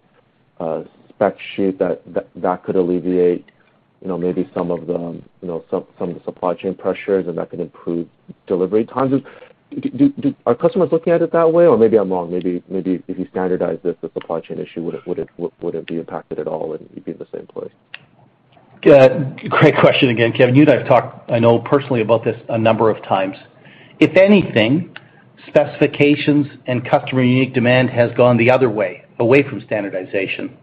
spec sheet that could alleviate, you know, maybe some of the, you know, some of the supply chain pressures and that can improve delivery times. Are customers looking at it that way? Or maybe I'm wrong. Maybe if you standardize this, the supply chain issue wouldn't be impacted at all, and you'd be in the same place. Great question again, Kevin. You and I have talked, I know personally about this a number of times. If anything, specifications and customer unique demand has gone the other way, away from standardization.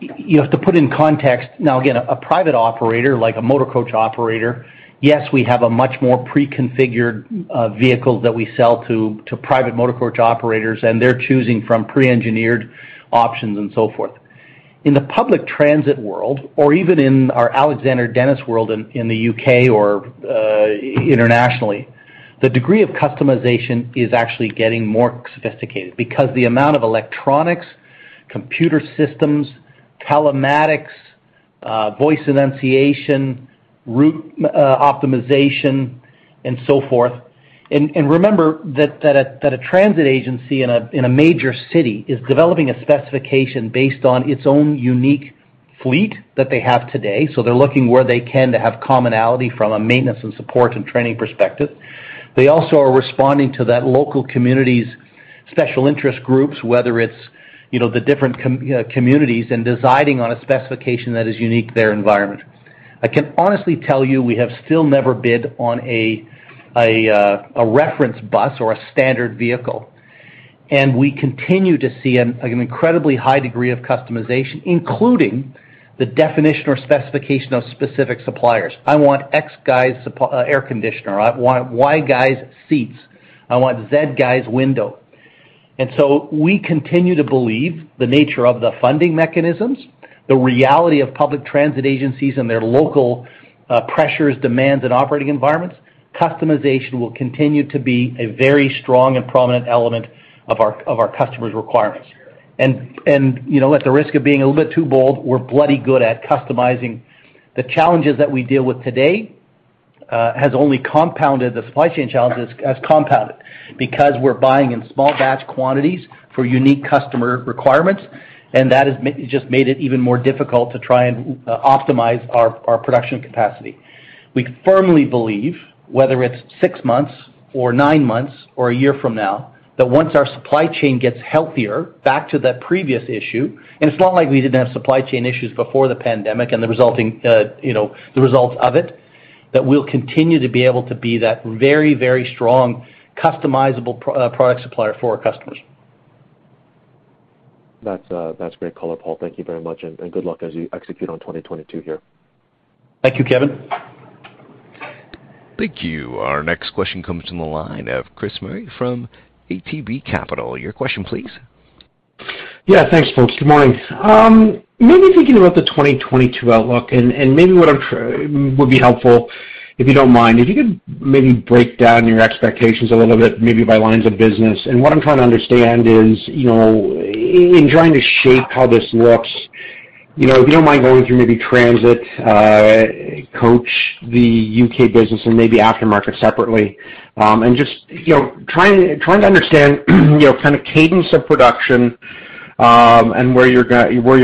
You have to put in context, now, again, a private operator like a motor coach operator, yes, we have a much more pre-configured vehicle that we sell to private motor coach operators, and they're choosing from pre-engineered options and so forth. In the public transit world, or even in our Alexander Dennis world in the U.K. or internationally, the degree of customization is actually getting more sophisticated because the amount of electronics, computer systems, telematics, voice enunciation, route optimization, and so forth. Remember that a transit agency in a major city is developing a specification based on its own unique fleet that they have today. They're looking where they can to have commonality from a maintenance and support and training perspective. They also are responding to that local community's special interest groups, whether it's the different communities and deciding on a specification that is unique to their environment. I can honestly tell you, we have still never bid on a reference bus or a standard vehicle, and we continue to see an incredibly high degree of customization, including the definition or specification of specific suppliers. I want x guy's air conditioner. I want y guy's seats. I want z guy's window. We continue to believe the nature of the funding mechanisms, the reality of public transit agencies and their local pressures, demands, and operating environments, customization will continue to be a very strong and prominent element of our customers' requirements. You know, at the risk of being a little bit too bold, we're bloody good at customizing. The challenges that we deal with today has only compounded the supply chain challenges because we're buying in small batch quantities for unique customer requirements, and that has just made it even more difficult to try and optimize our production capacity. We firmly believe whether it's six months or nine months or a year from now, that once our supply chain gets healthier back to the previous issue, and it's not like we didn't have supply chain issues before the pandemic and the resulting results of it, that we'll continue to be able to be that very, very strong customizable product supplier for our customers. That's great color, Paul. Thank you very much and good luck as you execute on 2022 here. Thank you, Kevin. Thank you. Our next question comes from the line of Chris Murray from ATB Capital Markets. Your question please. Yeah, thanks folks. Good morning. It would be helpful, if you don't mind, if you could maybe break down your expectations a little bit, maybe by lines of business. What I'm trying to understand is, you know, in trying to shape how this looks, you know, if you don't mind going through maybe transit, coach, the U.K. business and maybe aftermarket separately, and just, you know, trying to understand, you know, kind of cadence of production, and where you're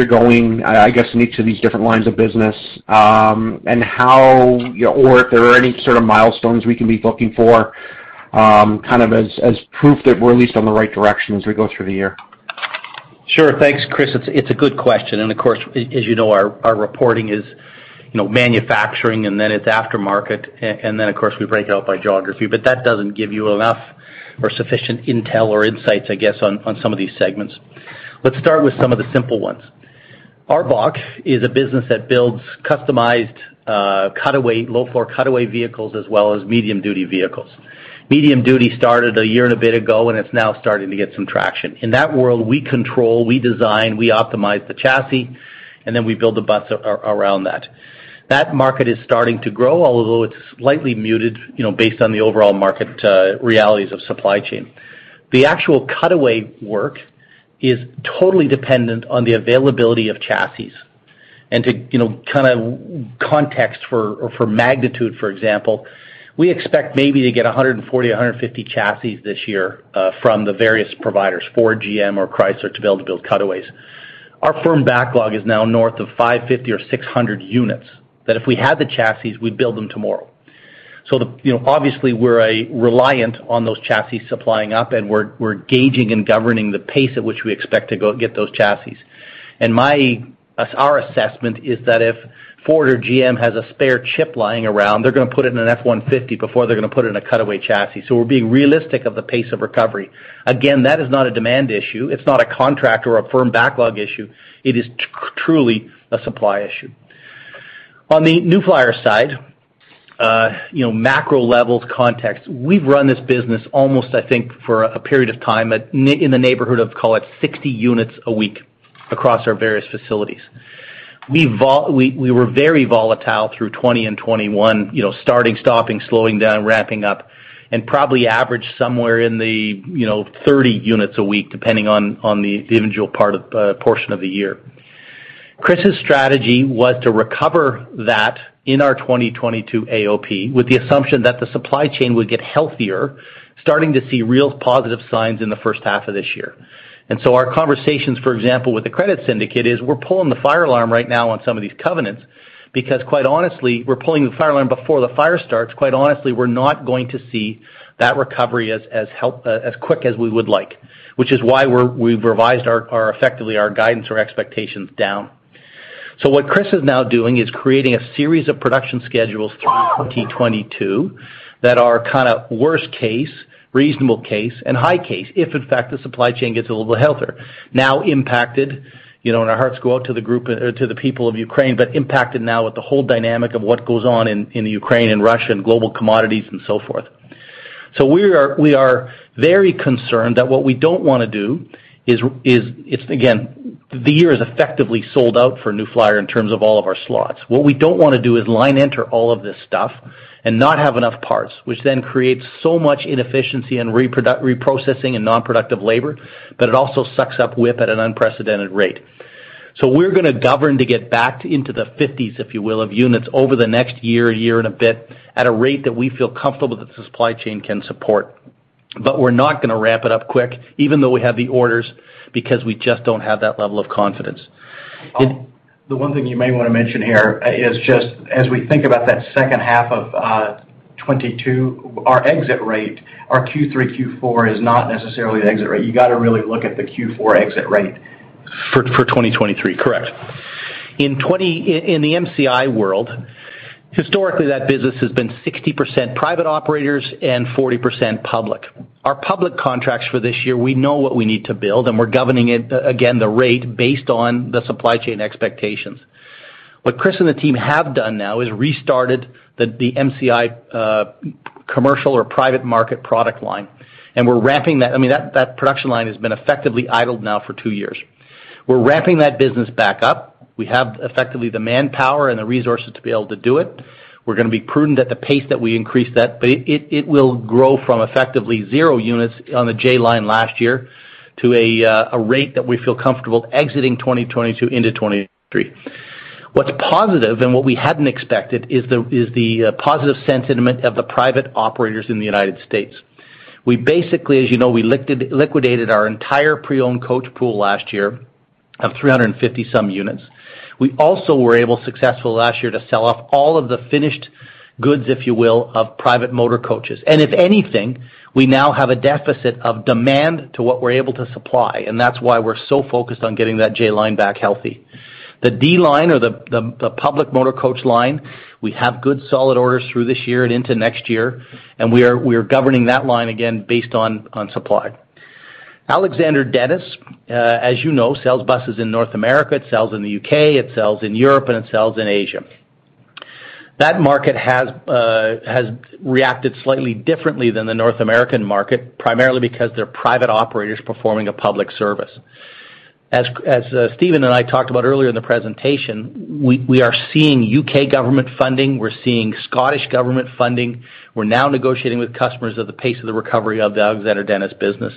going, I guess in each of these different lines of business, or if there are any sort of milestones we can be looking for, kind of as proof that we're at least on the right direction as we go through the year. Sure. Thanks, Chris. It's a good question. Of course, as you know, our reporting is, you know, manufacturing and then it's aftermarket, and then of course we break it out by geography. That doesn't give you enough or sufficient intel or insights, I guess, on some of these segments. Let's start with some of the simple ones. ARBOC is a business that builds customized, cutaway, low floor cutaway vehicles, as well as medium duty vehicles. Medium duty started a year and a bit ago, and it's now starting to get some traction. In that world, we control, we design, we optimize the chassis, and then we build the bus around that. That market is starting to grow, although it's slightly muted, you know, based on the overall market realities of supply chain. The actual cutaway work is totally dependent on the availability of chassis. To, you know, kind of context for, or for magnitude, for example, we expect maybe to get 140, 150 chassis this year from the various providers, Ford, GM, or Chrysler, to be able to build cutaways. Our firm backlog is now north of 550 or 600 units that if we had the chassis, we'd build them tomorrow. You know, obviously we're reliant on those chassis supplying up and we're gauging and governing the pace at which we expect to go get those chassis. Our assessment is that if Ford or GM has a spare chip lying around, they're gonna put it in an F-150 before they're gonna put it in a cutaway chassis. We're being realistic about the pace of recovery. Again, that is not a demand issue. It's not a contract or a firm backlog issue. It is truly a supply issue. On the New Flyer side, you know, macro levels context, we've run this business almost, I think, for a period of time in the neighborhood of, call it 60 units a week across our various facilities. We were very volatile through 2020 and 2021, you know, starting, stopping, slowing down, ramping up, and probably average somewhere in the, you know, 30 units a week depending on the individual portion of the year. Chris's strategy was to recover that in our 2022 AOP with the assumption that the supply chain would get healthier, starting to see real positive signs in the first half of this year. Our conversations, for example, with the credit syndicate is we're pulling the fire alarm right now on some of these covenants because quite honestly, we're pulling the fire alarm before the fire starts. Quite honestly, we're not going to see that recovery as quick as we would like, which is why we've revised our effectively our guidance or expectations down. What Chris is now doing is creating a series of production schedules through 2022 that are kind of worst case, reasonable case, and high case if in fact the supply chain gets a little bit healthier. Now impacted, you know, and our hearts go out to the group, or to the people of Ukraine, but impacted now with the whole dynamic of what goes on in the Ukraine and Russia and global commodities and so forth. We are very concerned that what we don't want to do is, it's again, the year is effectively sold out for New Flyer in terms of all of our slots. What we don't want to do is line enter all of this stuff and not have enough parts, which then creates so much inefficiency and reprocessing and non-productive labor. But it also sucks up WIP at an unprecedented rate. We're going to govern to get back into the fifties, if you will, of units over the next year and a bit, at a rate that we feel comfortable that the supply chain can support. We're not going to ramp it up quick, even though we have the orders, because we just don't have that level of confidence. The one thing you may want to mention here is just as we think about that second half of 2022, our exit rate, our Q3, Q4 is not necessarily the exit rate. You got to really look at the Q4 exit rate. For 2023. Correct. In the MCI world, historically, that business has been 60% private operators and 40% public. Our public contracts for this year, we know what we need to build, and we're governing it again, the rate based on the supply chain expectations. What Chris and the team have done now is restarted the MCI commercial or private market product line, and we're ramping that. I mean, that production line has been effectively idled now for two years. We're ramping that business back up. We have effectively the manpower and the resources to be able to do it. We're going to be prudent at the pace that we increase that, but it will grow from effectively zero units on the J line last year to a rate that we feel comfortable exiting 2022 into 2023. What's positive and what we hadn't expected is the positive sentiment of the private operators in the United States. We basically, as you know, we liquidated our entire pre-owned coach pool last year of 350-some units. We also were able to successfully sell off all of the finished goods, if you will, of private motor coaches. If anything, we now have a deficit of demand to what we're able to supply, and that's why we're so focused on getting that J line back healthy. The D-Series or the public motor coach line, we have good solid orders through this year and into next year, and we are governing that line again based on supply. Alexander Dennis, as you know, sells buses in North America, it sells in the U.K., it sells in Europe, and it sells in Asia. That market has reacted slightly differently than the North American market, primarily because they're private operators performing a public service. As Stephen and I talked about earlier in the presentation, we are seeing U.K. government funding. We're seeing Scottish government funding. We're now negotiating with customers at the pace of the recovery of the Alexander Dennis business.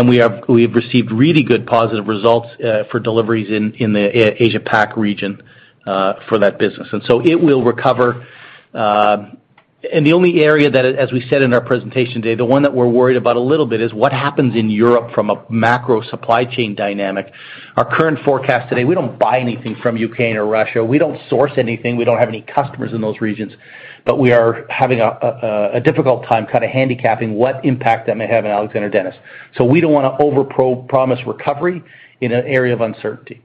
We have received really good positive results for deliveries in the Asia Pac region for that business. It will recover. The only area that as we said in our presentation today, the one that we're worried about a little bit is what happens in Europe from a macro supply chain dynamic. Our current forecast today, we don't buy anything from U.K. nor Russia. We don't source anything. We don't have any customers in those regions. We are having a difficult time kind of handicapping what impact that may have in Alexander Dennis. We don't want to overpromise recovery in an area of uncertainty.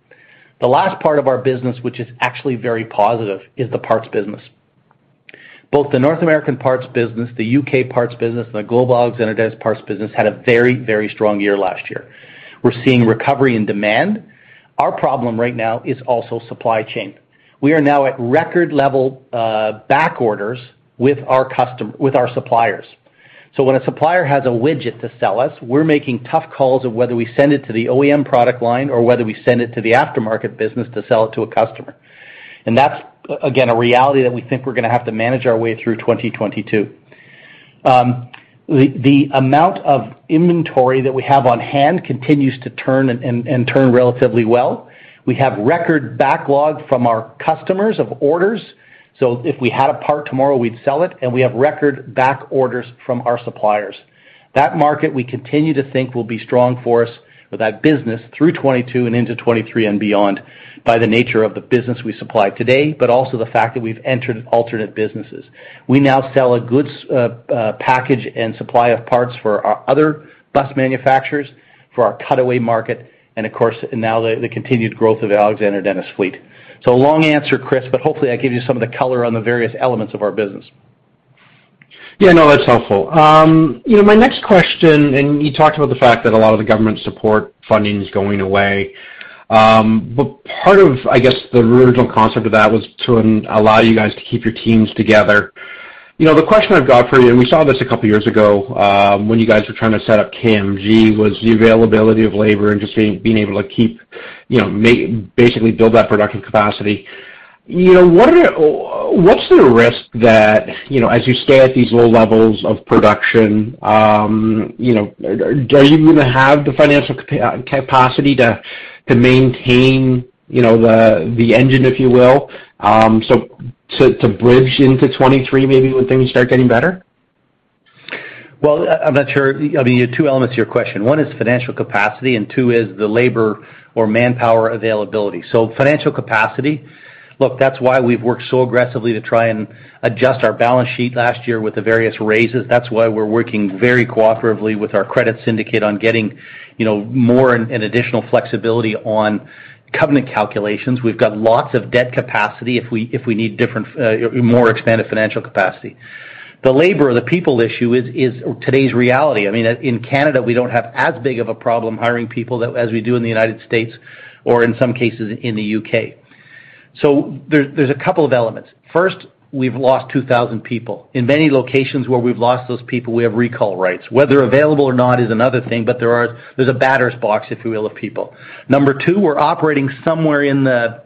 The last part of our business, which is actually very positive, is the parts business. Both the North American parts business, the U.K. parts business, and the global Alexander Dennis parts business had a very, very strong year last year. We're seeing recovery in demand. Our problem right now is also supply chain. We are now at record level back orders with our suppliers. When a supplier has a widget to sell us, we're making tough calls of whether we send it to the OEM product line or whether we send it to the aftermarket business to sell it to a customer. That's again a reality that we think we're going to have to manage our way through 2022. The amount of inventory that we have on hand continues to turn and turn relatively well. We have record backlog from our customers of orders, so if we had a part tomorrow, we'd sell it, and we have record back orders from our suppliers. That market we continue to think will be strong for us or that business through 2022 and into 2023 and beyond by the nature of the business we supply today, but also the fact that we've entered alternate businesses. We now sell a good package and supply of parts for our other bus manufacturers, for our cutaway market, and of course, now the continued growth of Alexander Dennis fleet. Long answer, Chris, but hopefully I gave you some of the color on the various elements of our business. Yeah. No, that's helpful. You know, my next question, you talked about the fact that a lot of the government support funding is going away. Part of, I guess, the original concept of that was to allow you guys to keep your teams together. You know, the question I've got for you, we saw this a couple of years ago, when you guys were trying to set up KMG, was the availability of labor and just being able to keep, you know, basically build that production capacity. You know, what are... What's the risk that, you know, as you stay at these low levels of production, you know, are you going to have the financial capacity to maintain, you know, the engine, if you will, so to bridge into 2023, maybe when things start getting better? Well, I'm not sure. I mean, two elements to your question. One is financial capacity, and two is the labor or manpower availability. Financial capacity, look, that's why we've worked so aggressively to try and adjust our balance sheet last year with the various raises. That's why we're working very cooperatively with our credit syndicate on getting, you know, more and additional flexibility on covenant calculations. We've got lots of debt capacity if we need different, more expanded financial capacity. The labor or the people issue is today's reality. I mean, in Canada, we don't have as big of a problem hiring people that as we do in the United States or in some cases in the U.K. There's a couple of elements. First, we've lost 2,000 people. In many locations where we've lost those people, we have recall rights. Whether available or not is another thing, but there's a batter's box, if you will, of people. Number two, we're operating somewhere in the,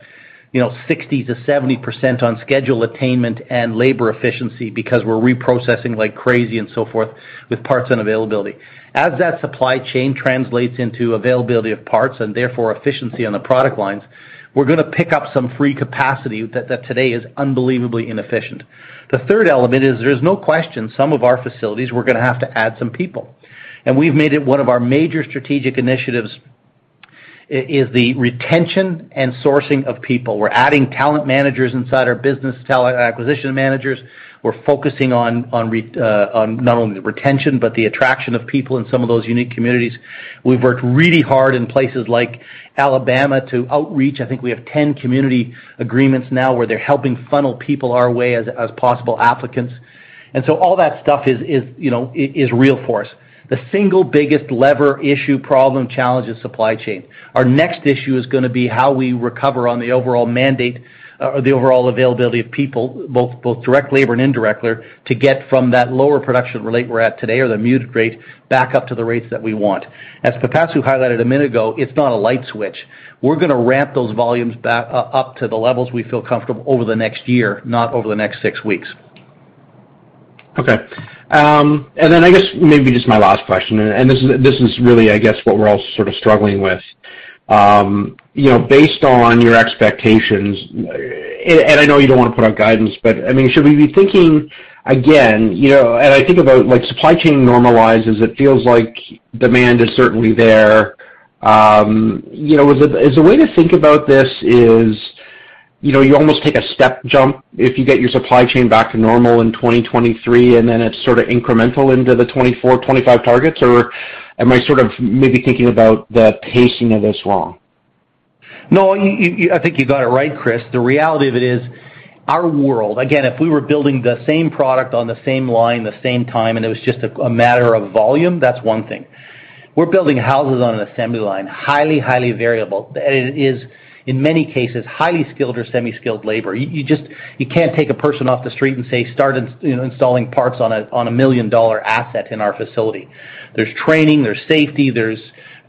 you know, 60%-70% on schedule attainment and labor efficiency because we're reprocessing like crazy and so forth with parts unavailability. As that supply chain translates into availability of parts, and therefore efficiency on the product lines, we're gonna pick up some free capacity that today is unbelievably inefficient. The third element is there's no question some of our facilities, we're gonna have to add some people. We've made it one of our major strategic initiatives is the retention and sourcing of people. We're adding talent managers inside our business, talent acquisition managers. We're focusing on not only the retention, but the attraction of people in some of those unique communities. We've worked really hard in places like Alabama to outreach. I think we have 10 community agreements now, where they're helping funnel people our way as possible applicants. All that stuff is, you know, real for us. The single biggest lever issue problem challenge is supply chain. Our next issue is gonna be how we recover on the overall mandate or the overall availability of people, both directly and indirectly, to get from that lower production rate we're at today or the muted rate back up to the rates that we want. As Pipasu highlighted a minute ago, it's not a light switch. We're gonna ramp those volumes up to the levels we feel comfortable over the next year, not over the next six weeks. Okay. Then I guess maybe just my last question, and this is really, I guess, what we're all sort of struggling with. You know, based on your expectations, and I know you don't wanna put out guidance, but, I mean, should we be thinking again, you know? I think about like supply chain normalizes, it feels like demand is certainly there. You know, is the way to think about this, you know, you almost take a step jump if you get your supply chain back to normal in 2023, and then it's sort of incremental into the 2024, 2025 targets? Or am I sort of maybe thinking about the pacing of this wrong? No, you, I think you got it right, Chris. The reality of it is our world. Again, if we were building the same product on the same line, the same time, and it was just a matter of volume, that's one thing. We're building houses on an assembly line, highly variable. It is, in many cases, highly skilled or semi-skilled labor. You just can't take a person off the street and say, "Start you know, installing parts on a million-dollar asset in our facility." There's training, there's safety, there's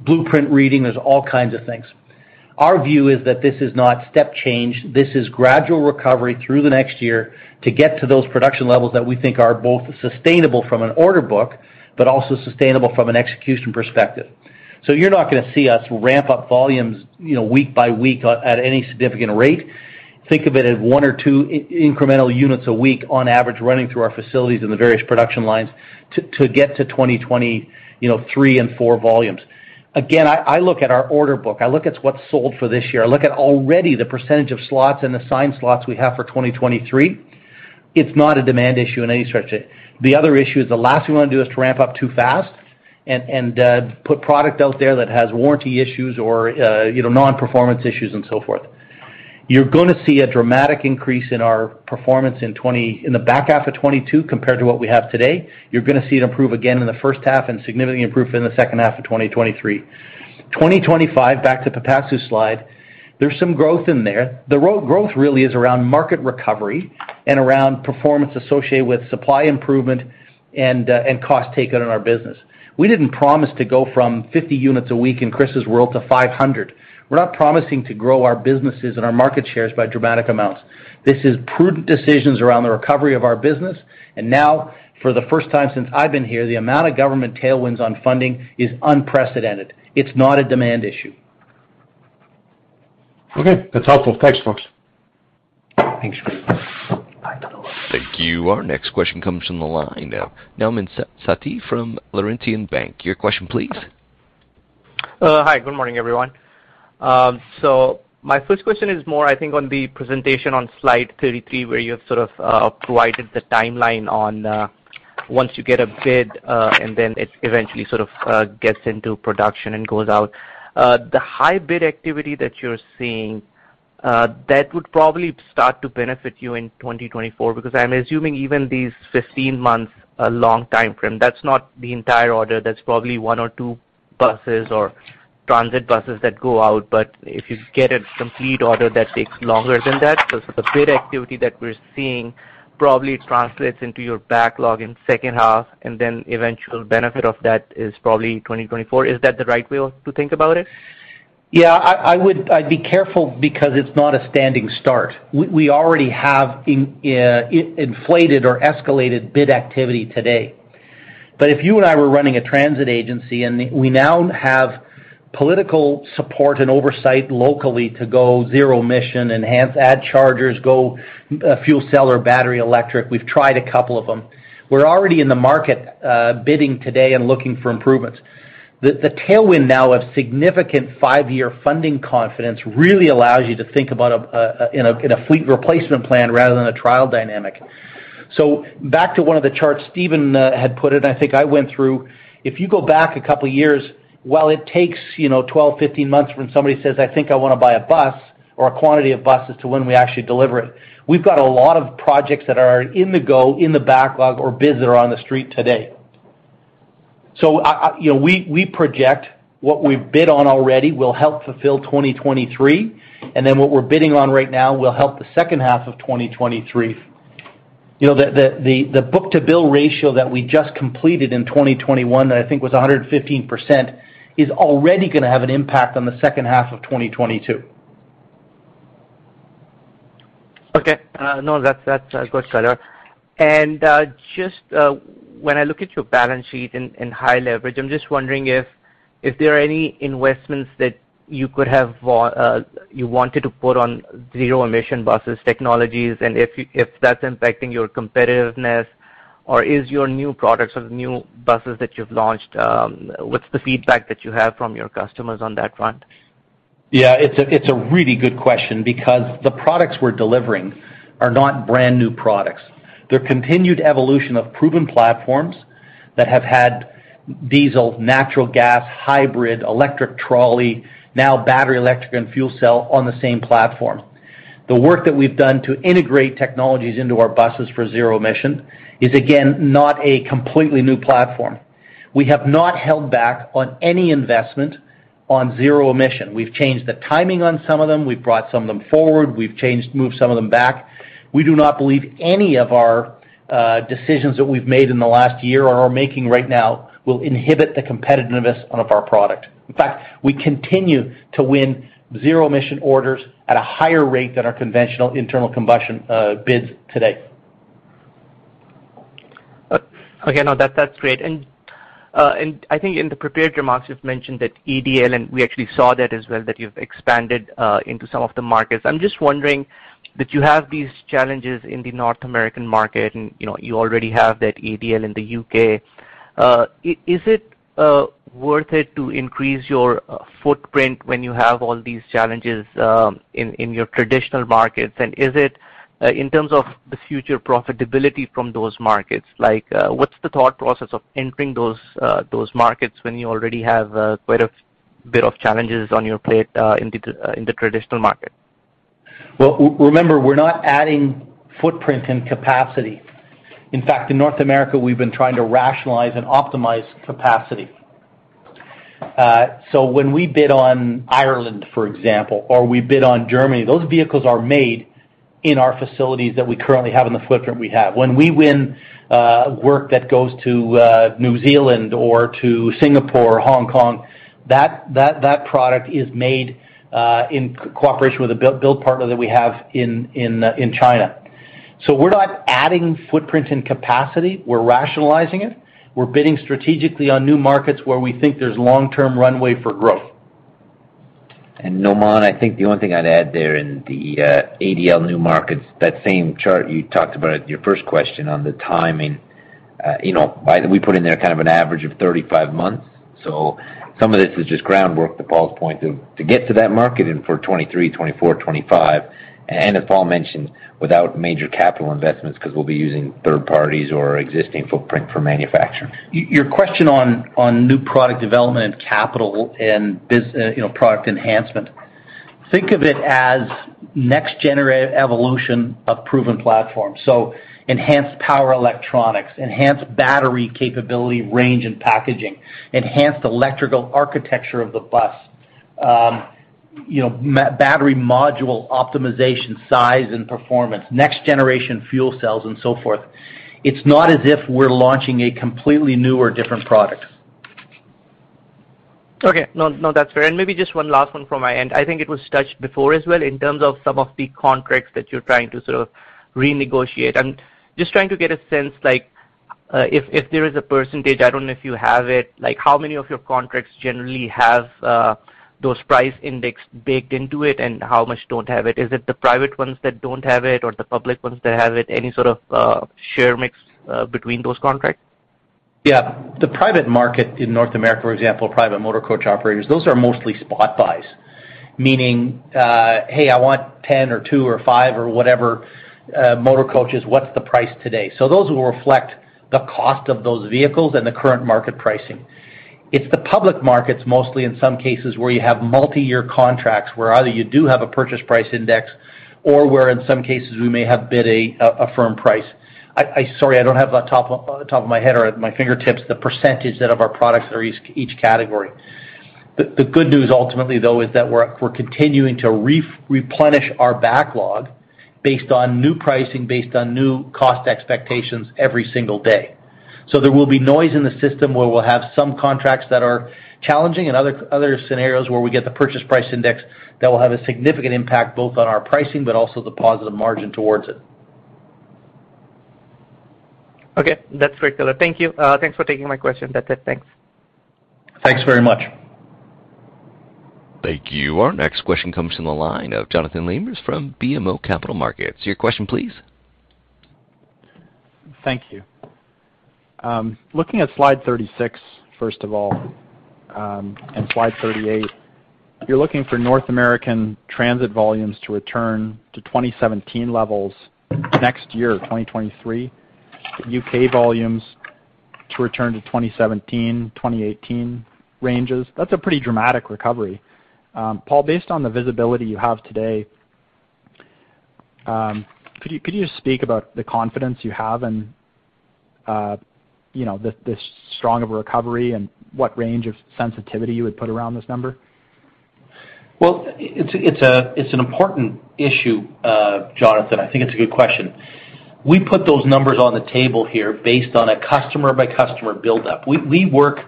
blueprint reading, there's all kinds of things. Our view is that this is not step change. This is gradual recovery through the next year to get to those production levels that we think are both sustainable from an order book, but also sustainable from an execution perspective. You're not gonna see us ramp up volumes, you know, week by week at any significant rate. Think of it as one or two incremental units a week on average running through our facilities in the various production lines to get to 2023 and 2024 volumes. Again, I look at our order book, I look at what's sold for this year. I look at already the percentage of slots and assigned slots we have for 2023. It's not a demand issue in any stretch. The other issue is the last thing we wanna do is to ramp up too fast and put product out there that has warranty issues or, you know, non-performance issues and so forth. You're gonna see a dramatic increase in our performance in the back half of 2022 compared to what we have today. You're gonna see it improve again in the first half and significantly improve in the second half of 2023. 2025, back to Pipasu's slide, there's some growth in there. The real growth really is around market recovery and around performance associated with supply improvement and cost taken in our business. We didn't promise to go from 50 units a week in Chris's world to 500. We're not promising to grow our businesses and our market shares by dramatic amounts. This is prudent decisions around the recovery of our business, and now for the first time since I've been here, the amount of government tailwinds on funding is unprecedented. It's not a demand issue. Okay. That's helpful. Thanks, folks. Thanks. Thank you. Our next question comes from the line of Nauman Satti from Laurentian Bank. Your question, please. Hi. Good morning, everyone. My first question is more, I think, on the presentation on slide 33, where you have sort of provided the timeline on once you get a bid and then it eventually sort of gets into production and goes out. The high bid activity that you're seeing that would probably start to benefit you in 2024, because I'm assuming even these 15 months, a long timeframe, that's not the entire order. That's probably one or two buses or transit buses that go out. If you get a complete order that takes longer than that, the bid activity that we're seeing probably translates into your backlog in second half, and then eventual benefit of that is probably 2024. Is that the right way to think about it? I'd be careful because it's not a standing start. We already have inflated or escalated bid activity today. If you and I were running a transit agency and we now have political support and oversight locally to go zero emission, enhance, add chargers, go fuel cell or battery electric, we've tried a couple of them. We're already in the market, bidding today and looking for improvements. The tailwind now of significant five-year funding confidence really allows you to think about a fleet replacement plan rather than a trial dynamic. Back to one of the charts Stephen had put in, I think I went through. If you go back a couple of years, while it takes, you know, 12, 15 months when somebody says, "I think I wanna buy a bus or a quantity of buses," to when we actually deliver it, we've got a lot of projects that are in the go, in the backlog or bids that are on the street today. I, you know, we project what we've bid on already will help fulfill 2023, and then what we're bidding on right now will help the second half of 2023. You know, the book-to-bill ratio that we just completed in 2021, that I think was 115%, is already gonna have an impact on the second half of 2022. Okay. No, that's good color. Just when I look at your balance sheet and high leverage, I'm just wondering if there are any investments that you wanted to put on zero-emission bus technologies, and if that's impacting your competitiveness. Or is your new products or the new buses that you've launched, what's the feedback that you have from your customers on that front? Yeah. It's a really good question because the products we're delivering are not brand-new products. They're continued evolution of proven platforms that have had diesel, natural gas, hybrid, electric trolley, now battery, electric and fuel cell on the same platform. The work that we've done to integrate technologies into our buses for zero emission is, again, not a completely new platform. We have not held back on any investment on zero emission. We've changed the timing on some of them, we've brought some of them forward, we've moved some of them back. We do not believe any of our decisions that we've made in the last year or are making right now will inhibit the competitiveness of our product. In fact, we continue to win zero emission orders at a higher rate than our conventional internal combustion bids today. Okay. No, that's great. I think in the prepared remarks, you've mentioned that ADL, and we actually saw that as well, that you've expanded into some of the markets. I'm just wondering that you have these challenges in the North American market and, you know, you already have that ADL in the U.K. Is it worth it to increase your footprint when you have all these challenges in your traditional markets? Is it in terms of the future profitability from those markets, like, what's the thought process of entering those markets when you already have quite a bit of challenges on your plate in the traditional market? Well, remember, we're not adding footprint and capacity. In fact, in North America, we've been trying to rationalize and optimize capacity. When we bid on Ireland, for example, or we bid on Germany, those vehicles are made in our facilities that we currently have in the footprint we have. When we win work that goes to New Zealand or to Singapore or Hong Kong, that product is made in cooperation with a build partner that we have in China. We're not adding footprint and capacity, we're rationalizing it. We're bidding strategically on new markets where we think there's long-term runway for growth. Nauman, I think the only thing I'd add there in the ADL new markets, that same chart you talked about at your first question on the timing, you know, by the way, we put in there kind of an average of 35 months. Some of this is just groundwork, to Paul's point, to get to that market and for 2023, 2024, 2025. As Paul mentioned, without major capital investments, 'cause we'll be using third parties or existing footprint for manufacturing. Your question on new product development, you know, product enhancement, think of it as next generation evolution of proven platforms. Enhanced power electronics, enhanced battery capability, range and packaging, enhanced electrical architecture of the bus. You know, battery module optimization, size and performance, next generation fuel cells and so forth. It's not as if we're launching a completely new or different product. Okay. No, no, that's fair. Maybe just one last one from my end. I think it was touched before as well in terms of some of the contracts that you're trying to sort of renegotiate. Just trying to get a sense like, if there is a percentage, I don't know if you have it, like how many of your contracts generally have, those price index baked into it and how much don't have it? Is it the private ones that don't have it or the public ones that have it? Any sort of, share mix, between those contracts? Yeah. The private market in North America, for example, private motor coach operators, those are mostly spot buys. Meaning, hey, I want 10 or two or five or whatever, motor coaches, what's the price today? So those will reflect the cost of those vehicles and the current market pricing. It's the public markets, mostly in some cases, where you have multi-year contracts, where either you do have a purchase price index or where in some cases we may have bid a firm price. Sorry, I don't have on top of my head or at my fingertips the percentage of our products are each category. The good news ultimately though is that we're continuing to replenish our backlog based on new pricing, based on new cost expectations every single day. There will be noise in the system where we'll have some contracts that are challenging and other scenarios where we get the purchase price index that will have a significant impact both on our pricing, but also the positive margin towards it. Okay. That's fair, Taylor. Thank you. Thanks for taking my question. That's it. Thanks. Thanks very much. Thank you. Our next question comes from the line of Jonathan Lamers from BMO Capital Markets. Your question please. Thank you. Looking at slide 36, first of all, and slide 38, you're looking for North American transit volumes to return to 2017 levels next year, 2023. U.K. volumes to return to 2017, 2018 ranges. That's a pretty dramatic recovery. Paul, based on the visibility you have today, could you just speak about the confidence you have and, you know, this strong of a recovery and what range of sensitivity you would put around this number? Well, it's an important issue, Jonathan. I think it's a good question. We put those numbers on the table here based on a customer by customer build up. We work,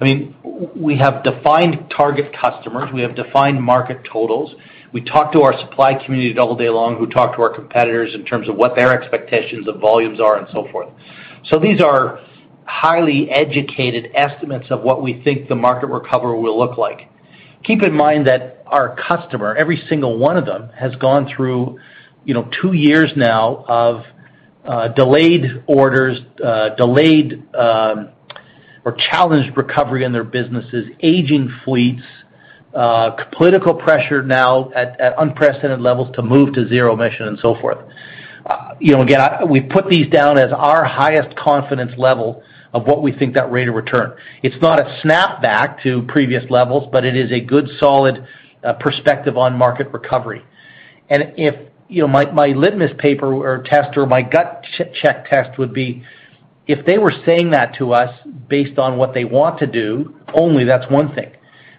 I mean, we have defined target customers. We have defined market totals. We talk to our supply community all day long, who talk to our competitors in terms of what their expectations of volumes are, and so forth. These are highly educated estimates of what we think the market recovery will look like. Keep in mind that our customer, every single one of them, has gone through, you know, two years now of delayed orders, delayed or challenged recovery in their businesses, aging fleets, political pressure now at unprecedented levels to move to zero-emission and so forth. You know, again, we put these down as our highest confidence level of what we think that rate of return. It's not a snap back to previous levels, but it is a good, solid perspective on market recovery. If, you know, my litmus paper or test or my gut check test would be if they were saying that to us based on what they want to do, only that's one thing.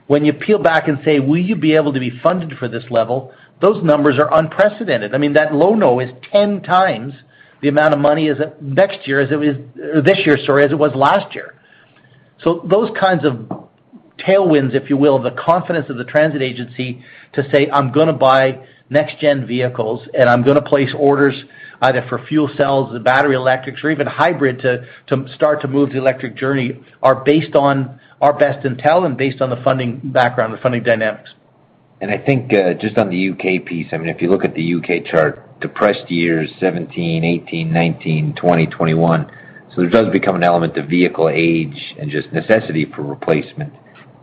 When you peel back and say, "Will you be able to be funded for this level?" Those numbers are unprecedented. I mean, that low now is ten times the amount of money as it was last year. Those kinds of tailwinds, if you will, the confidence of the transit agency to say, "I'm gonna buy next-gen vehicles, and I'm gonna place orders either for fuel cells or battery electrics or even hybrid to start to move the electric journey," are based on our best intel and based on the funding background, the funding dynamics. I think, just on the UK piece, I mean, if you look at the UK chart, depressed years 2017, 2018, 2019, 2020, 2021. There does become an element of vehicle age and just necessity for replacement.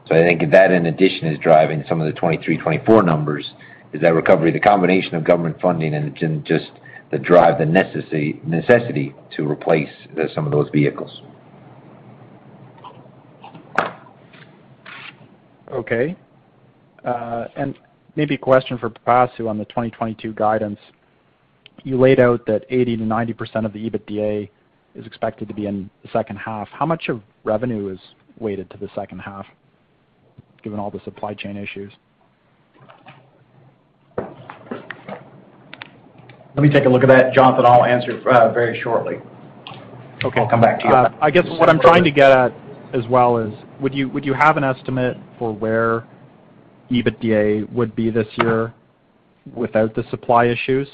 I think that in addition is driving some of the 2023, 2024 numbers, is that recovery, the combination of government funding and then just the drive, the necessity to replace some of those vehicles. Okay. Maybe a question for Pipasu on the 2022 guidance. You laid out that 80%-90% of the EBITDA is expected to be in the second half. How much of revenue is weighted to the second half given all the supply chain issues? Let me take a look at that, Jonathan. I'll answer very shortly. Okay. I'll come back to you. I guess what I'm trying to get at as well is, would you have an estimate for where EBITDA would be this year without the supply issues?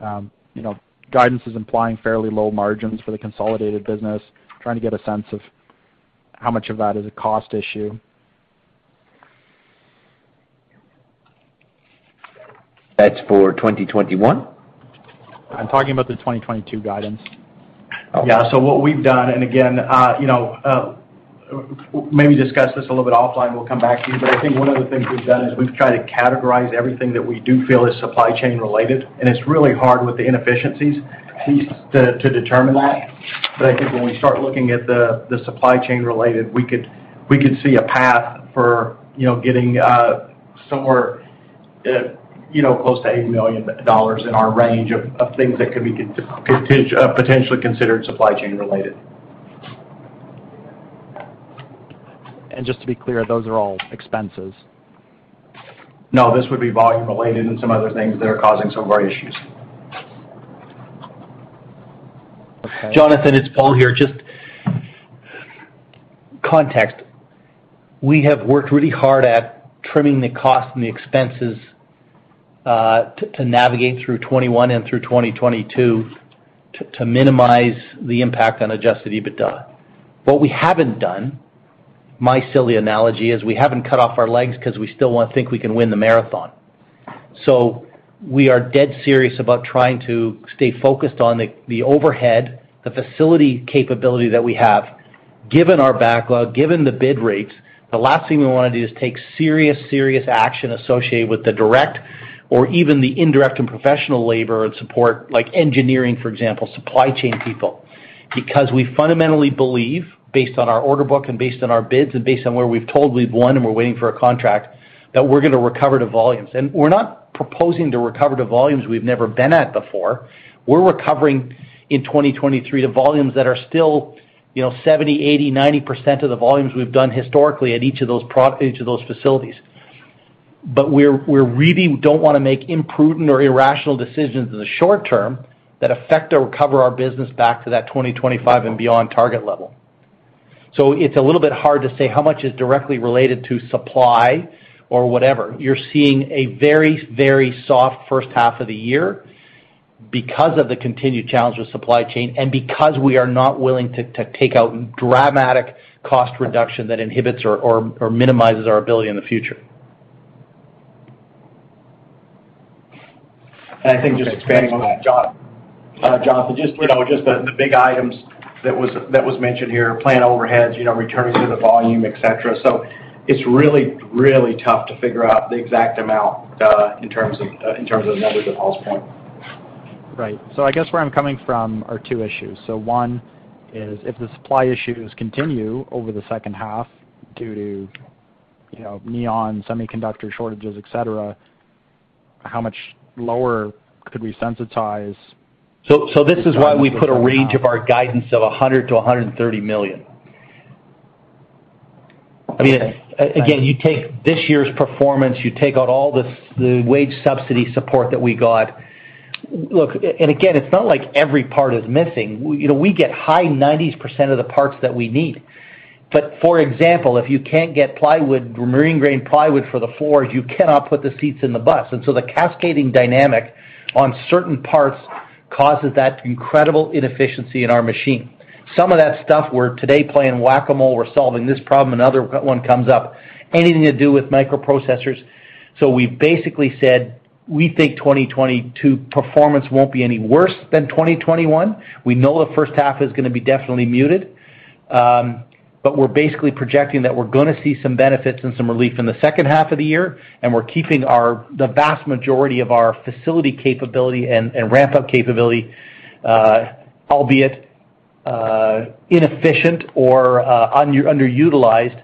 You know, guidance is implying fairly low margins for the consolidated business, trying to get a sense of how much of that is a cost issue. That's for 2021? I'm talking about the 2022 guidance. What we've done, and again, you know, maybe discuss this a little bit offline, we'll come back to you. I think one of the things we've done is we've tried to categorize everything that we do feel is supply chain related, and it's really hard with the inefficiencies to determine that. I think when we start looking at the supply chain related, we could see a path for, you know, getting somewhere, you know, close to $8 million in our range of things that could be potentially considered supply chain related. Just to be clear, those are all expenses. No, this would be volume related and some other things that are causing some of our issues. Okay. Jonathan, it's Paul here. Just context. We have worked really hard at trimming the cost and the expenses to navigate through 2021 and through 2022 to minimize the impact on adjusted EBITDA. What we haven't done, my silly analogy, is we haven't cut off our legs 'cause we still want to think we can win the marathon. We are dead serious about trying to stay focused on the overhead, the facility capability that we have. Given our backlog, given the bid rates, the last thing we wanna do is take serious action associated with the direct or even the indirect and professional labor and support like engineering, for example, supply chain people. Because we fundamentally believe based on our order book and based on our bids and based on where we've been told we've won and we're waiting for a contract, that we're gonna recover to volumes. We're not proposing to recover to volumes we've never been at before. We're recovering in 2023 to volumes that are still, you know, 70, 80, 90% of the volumes we've done historically at each of those facilities. We really don't wanna make imprudent or irrational decisions in the short term that affect or recover our business back to that 2025 and beyond target level. It's a little bit hard to say how much is directly related to supply or whatever. You're seeing a very, very soft first half of the year because of the continued challenge with supply chain and because we are not willing to take out dramatic cost reduction that inhibits or minimizes our ability in the future. I think just expanding on what Jonathan, you know, the big items that was mentioned here, plant overheads, you know, returning to the volume, et cetera. It's really, really tough to figure out the exact amount in terms of the numbers of Paul's point. Right. I guess where I'm coming from are two issues. One is if the supply issues continue over the second half due to you know, neon, semiconductor shortages, et cetera, how much lower could we sensitize? This is why we put a range of our guidance of $100 million-$130 million. Okay. I mean, again, you take this year's performance, you take out all this, the wage subsidy support that we got. Look, and again, it's not like every part is missing. We, you know, we get high 90s% of the parts that we need. But for example, if you can't get plywood, marine grade plywood for the floors, you cannot put the seats in the bus. The cascading dynamic on certain parts causes that incredible inefficiency in our machine. Some of that stuff we're today playing Whac-A-Mole. We're solving this problem, another one comes up, anything to do with microprocessors. We've basically said, we think 2022 performance won't be any worse than 2021. We know the first half is gonna be definitely muted. We're basically projecting that we're gonna see some benefits and some relief in the second half of the year, and we're keeping our, the vast majority of our facility capability and ramp-up capability, albeit inefficient or underutilized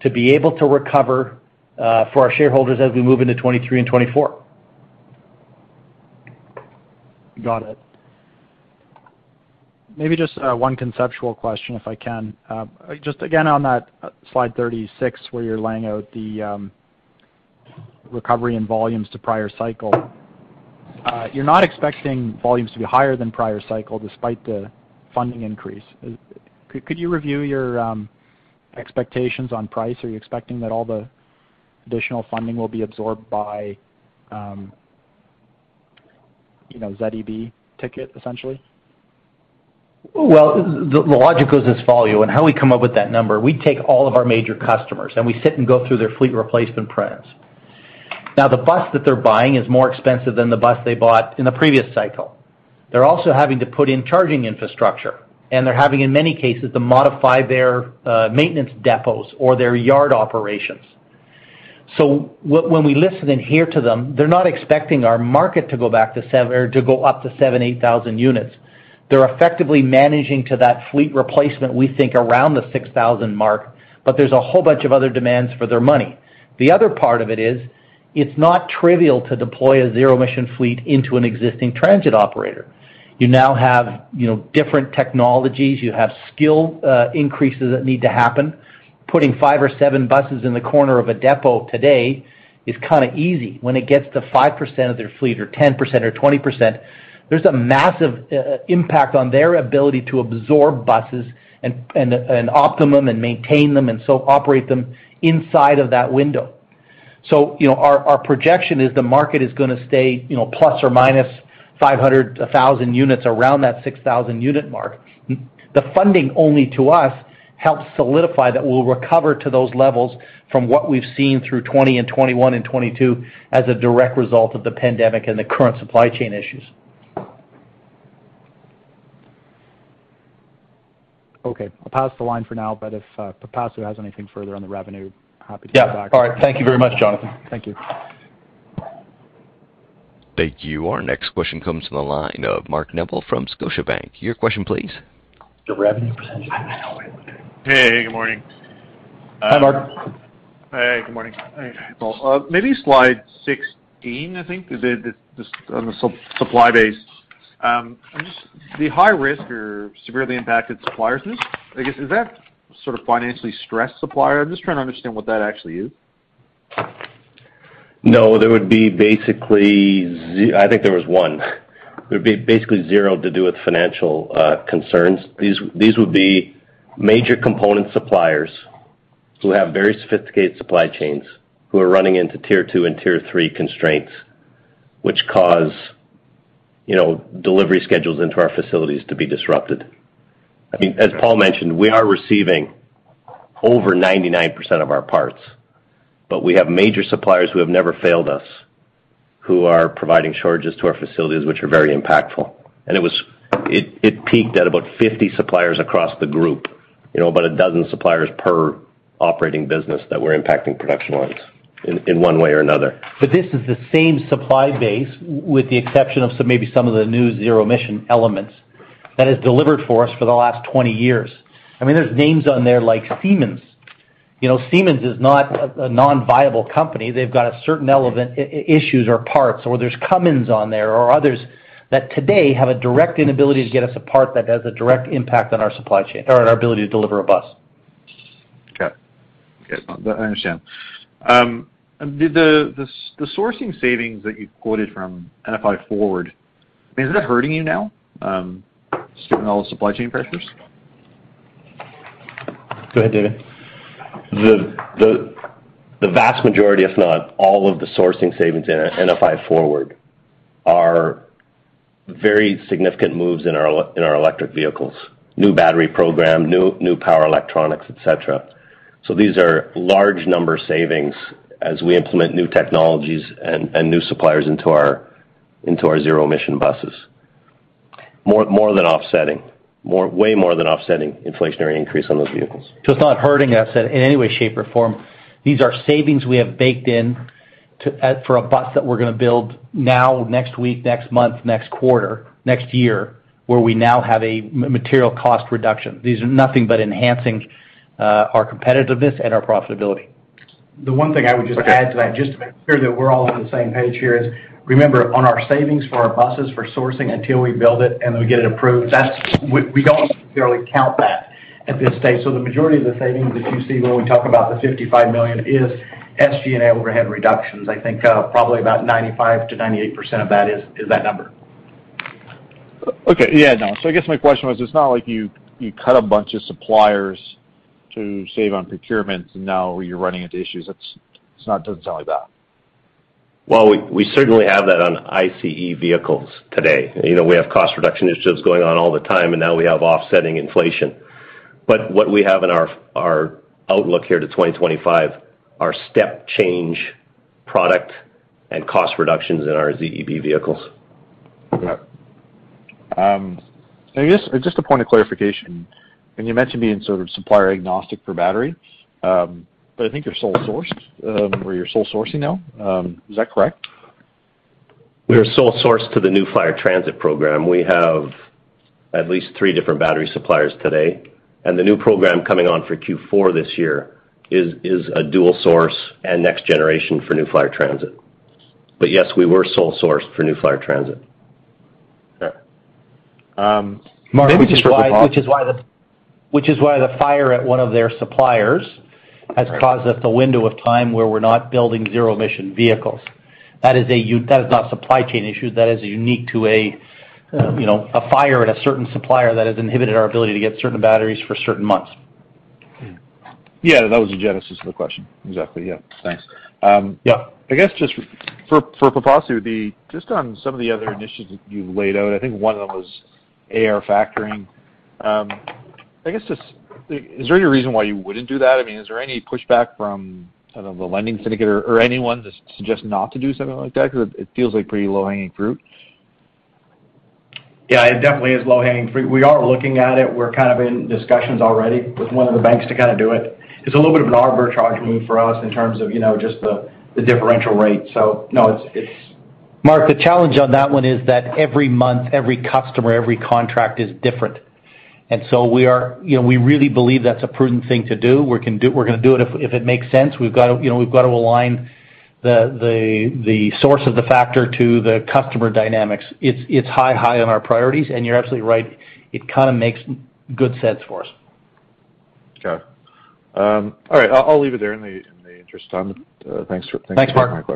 to be able to recover for our shareholders as we move into 2023 and 2024. Got it. Maybe just one conceptual question if I can. Just again on that slide 36 where you're laying out the recovery and volumes to prior cycle. You're not expecting volumes to be higher than prior cycle despite the funding increase. Could you review your expectations on price? Are you expecting that all the additional funding will be absorbed by, you know, ZEB ticket essentially? Well, the logic goes as follows, and how we come up with that number, we take all of our major customers, and we sit and go through their fleet replacement plans. Now, the bus that they're buying is more expensive than the bus they bought in the previous cycle. They're also having to put in charging infrastructure, and they're having, in many cases, to modify their maintenance depots or their yard operations. So when we listen and hear from them, they're not expecting our market to go back to- or to go up to 7,000, 8,000 units. They're effectively managing to that fleet replacement, we think, around the 6,000 mark, but there's a whole bunch of other demands for their money. The other part of it is, it's not trivial to deploy a zero-emission fleet into an existing transit operator. You now have, you know, different technologies. You have skill increases that need to happen. Putting five or seven buses in the corner of a depot today is kinda easy. When it gets to 5% of their fleet or 10% or 20%, there's a massive impact on their ability to absorb buses and outfit them and maintain them and operate them inside of that window. You know, our projection is the market is gonna stay, you know, plus or minus 500-1,000 units around that 6,000-unit mark. The funding only to us helps solidify that we'll recover to those levels from what we've seen through 2020 and 2021 and 2022 as a direct result of the pandemic and the current supply chain issues. Okay. I'll pass the line for now, but if Pipasu has anything further on the revenue, happy to go back. Yeah. All right. Thank you very much, Jonathan. Thank you. Thank you. Our next question comes from the line of Mark Neville from Scotiabank. Your question, please. The revenue presentation. Hey, good morning. Hi, Mark. Hey, good morning. Maybe slide 16, I think, the supply base. The high risk or severely impacted suppliers list, I guess, is that sort of financially stressed supplier? I'm just trying to understand what that actually is. No, there would be basically, I think there was one, zero to do with financial concerns. These would be major component suppliers who have very sophisticated supply chains, who are running into tier two and tier three constraints, which cause, you know, delivery schedules into our facilities to be disrupted. I mean, as Paul mentioned, we are receiving over 99% of our parts, but we have major suppliers who have never failed us, who are providing shortages to our facilities, which are very impactful. It peaked at about 50 suppliers across the group, you know, about a dozen suppliers per operating business that were impacting production lines in one way or another. This is the same supply base, with the exception of some, maybe some of the new zero emission elements, that has delivered for us for the last 20 years. I mean, there's names on there like Siemens. You know, Siemens is not a non-viable company. They've got a certain element, issues or parts, or there's Cummins on there or others that today have a direct inability to get us a part that has a direct impact on our supply chain or our ability to deliver a bus. Okay. I understand. The sourcing savings that you quoted from NFI Forward, I mean, is it hurting you now, just given all the supply chain pressures? Go ahead, David. The vast majority, if not all, of the sourcing savings in NFI Forward are very significant moves in our electric vehicles, new battery program, new power electronics, et cetera. These are large number savings as we implement new technologies and new suppliers into our zero-emission buses. Way more than offsetting inflationary increase on those vehicles. It's not hurting us in any way, shape, or form. These are savings we have baked in, to add for a bus that we're gonna build now, next week, next month, next quarter, next year, where we now have a material cost reduction. These are nothing but enhancing our competitiveness and our profitability. The one thing I would just add to that, just to make sure that we're all on the same page here, is remember on our savings for our buses for sourcing until we build it and we get it approved, that's we don't necessarily count that at this stage. The majority of the savings that you see when we talk about the $55 million is SG&A overhead reductions. I think, probably about 95%-98% of that is that number. Okay. Yeah, no. I guess my question was, it's not like you cut a bunch of suppliers to save on procurement and now you're running into issues. It doesn't sound like that. Well, we certainly have that on ICE vehicles today. You know, we have cost reduction initiatives going on all the time, and now we have offsetting inflation. What we have in our our outlook here to 2025 are step change product and cost reductions in our ZEB vehicles. Okay. Just a point of clarification. When you mentioned being sort of supplier agnostic for battery, but I think you're sole sourced, or you're sole sourcing now, is that correct? We are sole source to the New Flyer transit program. We have at least three different battery suppliers today, and the new program coming on for Q4 this year is a dual source and next generation for New Flyer transit. Yes, we were sole source for New Flyer transit. Okay. Maybe just for the- Which is why the fire at one of their suppliers has caused us a window of time where we're not building zero-emission vehicles. That is not supply-chain issue. That is unique to a, you know, a fire at a certain supplier that has inhibited our ability to get certain batteries for certain months. Yeah, that was the genesis of the question. Exactly, yeah. Thanks. Yeah. I guess just for posterity would be just on some of the other initiatives that you've laid out. I think one of them was AR factoring. I guess just is there any reason why you wouldn't do that? I mean, is there any pushback from, I don't know, the lending syndicate or anyone to suggest not to do something like that? Because it feels like pretty low-hanging fruit. Yeah, it definitely is low-hanging fruit. We are looking at it. We're kind of in discussions already with one of the banks to kind of do it. It's a little bit of an arbitrage move for us in terms of, you know, just the differential rate. No, it's- Mark, the challenge on that one is that every month, every customer, every contract is different. We are, you know, we really believe that's a prudent thing to do. We're gonna do it if it makes sense. We've gotta, you know, we've got to align the source of the factor to the customer dynamics. It's high on our priorities, and you're absolutely right. It kind of makes good sense for us. Got it. All right, I'll leave it there in the interest of time. Thanks for- Thanks, Mark.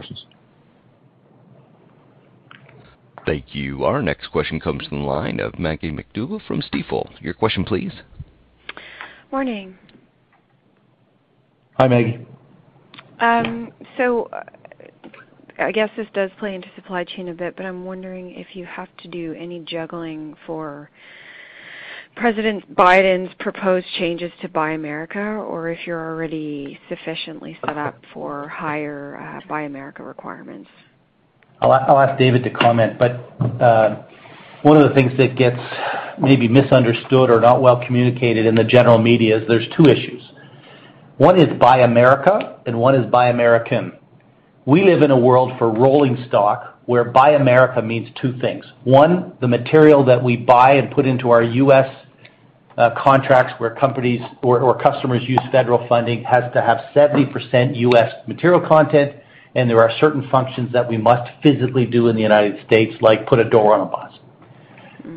Taking my questions. Thank you. Our next question comes from the line of Maggie MacDougall from Stifel. Your question, please. Morning. Hi, Maggie. I guess this does play into supply chain a bit, but I'm wondering if you have to do any juggling for President Biden's proposed changes to Buy America or if you're already sufficiently set up for higher Buy America requirements. I'll ask David to comment, but one of the things that gets maybe misunderstood or not well communicated in the general media is there's two issues. One is Buy America and one is Buy American. We live in a world for rolling stock, where Buy America means two things. One, the material that we buy and put into our U.S. contracts where companies or customers use federal funding has to have 70% U.S. material content, and there are certain functions that we must physically do in the United States, like put a door on a bus.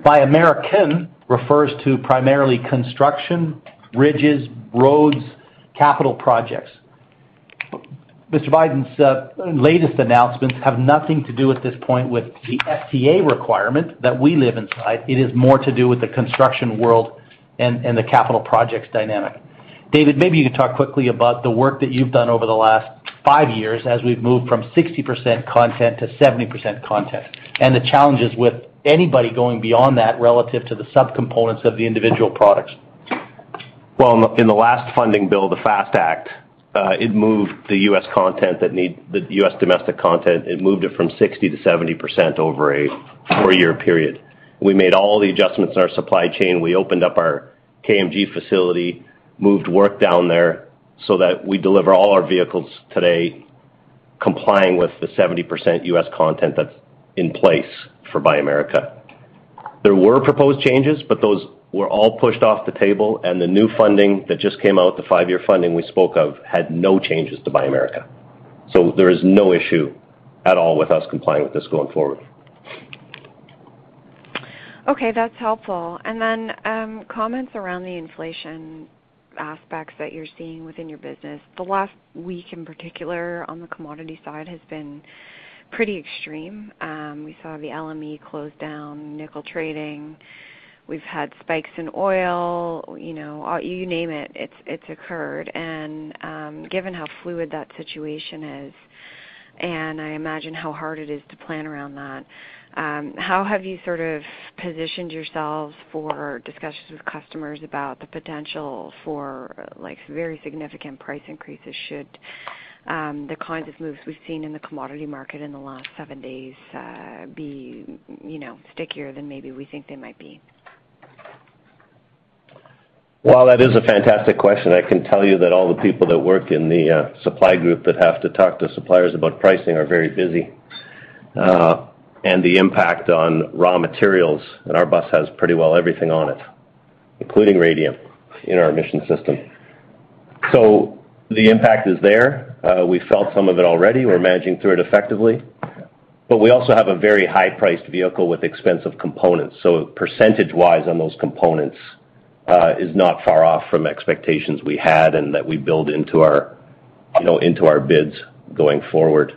Buy American refers to primarily construction, bridges, roads, capital projects. Mr. Biden's latest announcements have nothing to do at this point with the FTA requirement that we live within. It is more to do with the construction world and the capital projects dynamic. David, maybe you could talk quickly about the work that you've done over the last five years as we've moved from 60% content to 70% content, and the challenges with anybody going beyond that relative to the subcomponents of the individual products. Well, in the last funding bill, the FAST Act, it moved the U.S. content that need the U.S. domestic content. It moved it from 60% to 70% over a 4-year period. We made all the adjustments in our supply chain. We opened up our KMG facility, moved work down there so that we deliver all our vehicles today complying with the 70% U.S. content that's in place for Buy America. There were proposed changes, but those were all pushed off the table, and the new funding that just came out, the five-year funding we spoke of, had no changes to Buy America. There is no issue at all with us complying with this going forward. Okay, that's helpful. Then comments around the inflation aspects that you're seeing within your business. The last week in particular on the commodity side has been pretty extreme. We saw the LME close down nickel trading. We've had spikes in oil, you know, you name it's occurred. Given how fluid that situation is, and I imagine how hard it is to plan around that, how have you sort of positioned yourselves for discussions with customers about the potential for like, very significant price increases should the kind of moves we've seen in the commodity market in the last seven days be, you know, stickier than maybe we think they might be? Well, that is a fantastic question. I can tell you that all the people that work in the supply group that have to talk to suppliers about pricing are very busy. The impact on raw materials, and our bus has pretty well everything on it, including rhodium in our emission system. The impact is there. We felt some of it already. We're managing through it effectively. We also have a very high-priced vehicle with expensive components. Percentage-wise on those components is not far off from expectations we had and that we build into our, you know, into our bids going forward.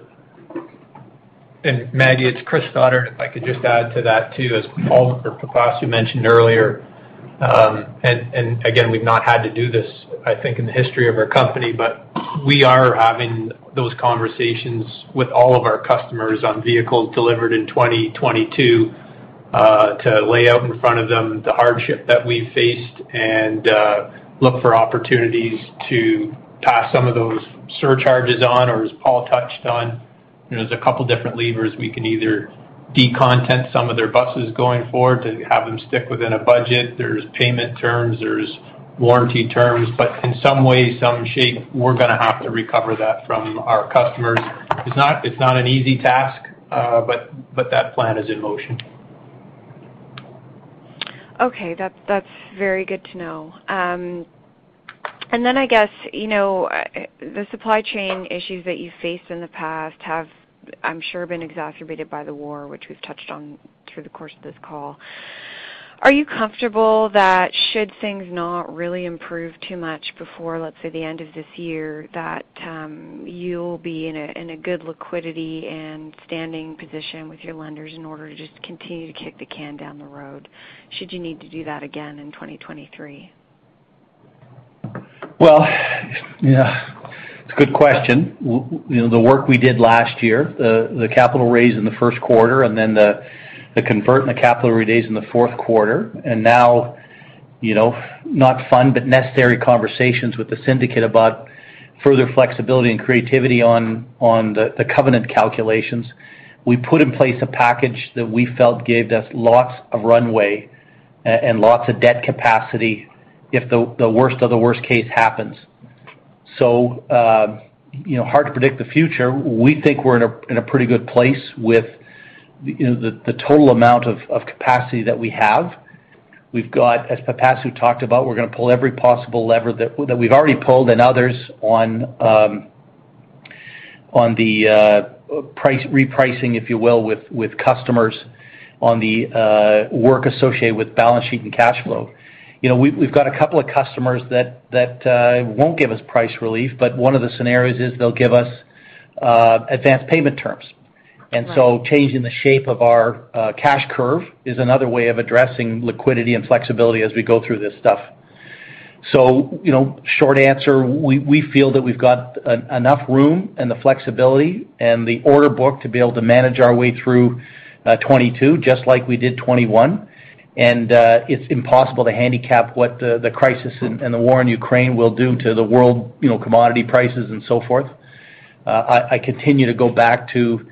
Maggie, it's Chris Stoddart. If I could just add to that too, as Paul or Pipasu mentioned earlier, again, we've not had to do this, I think, in the history of our company, but we are having those conversations with all of our customers on vehicles delivered in 2022, to lay out in front of them the hardship that we faced and look for opportunities to pass some of those surcharges on, or as Paul touched on, you know, there's a couple different levers. We can either de-content some of their buses going forward to have them stick within a budget. There's payment terms, there's warranty terms, but in some way, some shape, we're gonna have to recover that from our customers. It's not an easy task, but that plan is in motion. Okay. That's very good to know. I guess, you know, the supply chain issues that you faced in the past have, I'm sure, been exacerbated by the war, which we've touched on through the course of this call. Are you comfortable that should things not really improve too much before, let's say, the end of this year, that you'll be in a good liquidity and standing position with your lenders in order to just continue to kick the can down the road, should you need to do that again in 2023? Yeah, it's a good question. You know, the work we did last year, the capital raise in the first quarter and then the convert and the capital raise in the fourth quarter, and now, you know, not fun, but necessary conversations with the syndicate about further flexibility and creativity on the covenant calculations. We put in place a package that we felt gave us lots of runway and lots of debt capacity if the worst of the worst case happens. You know, hard to predict the future. We think we're in a pretty good place with the total amount of capacity that we have. We've got, as Pipasu talked about, we're gonna pull every possible lever that we've already pulled and others on the price repricing, if you will, with customers on the work associated with balance sheet and cash flow. You know, we've got a couple of customers that won't give us price relief, but one of the scenarios is they'll give us advanced payment terms. Right. Changing the shape of our cash curve is another way of addressing liquidity and flexibility as we go through this stuff. You know, short answer, we feel that we've got enough room and the flexibility and the order book to be able to manage our way through 2022, just like we did 2021. It's impossible to handicap what the crisis and the war in Ukraine will do to the world, you know, commodity prices and so forth. I continue to go back to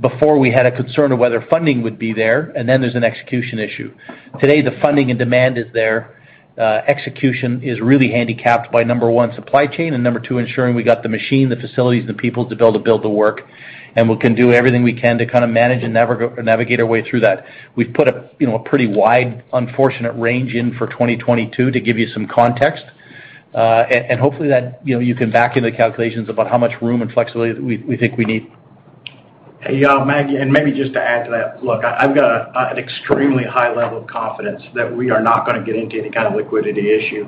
before we had a concern of whether funding would be there, and then there's an execution issue. Today, the funding and demand is there. Execution is really handicapped by number one, supply chain, and number two, ensuring we got the machine, the facilities, the people to be able to build the work. We can do everything we can to kind of manage and navigate our way through that. We've put a pretty wide, unfortunate range in for 2022 to give you some context. Hopefully that you can back into calculations about how much room and flexibility we think we need. Yeah, Maggie, maybe just to add to that, look, I've got an extremely high level of confidence that we are not gonna get into any kind of liquidity issue.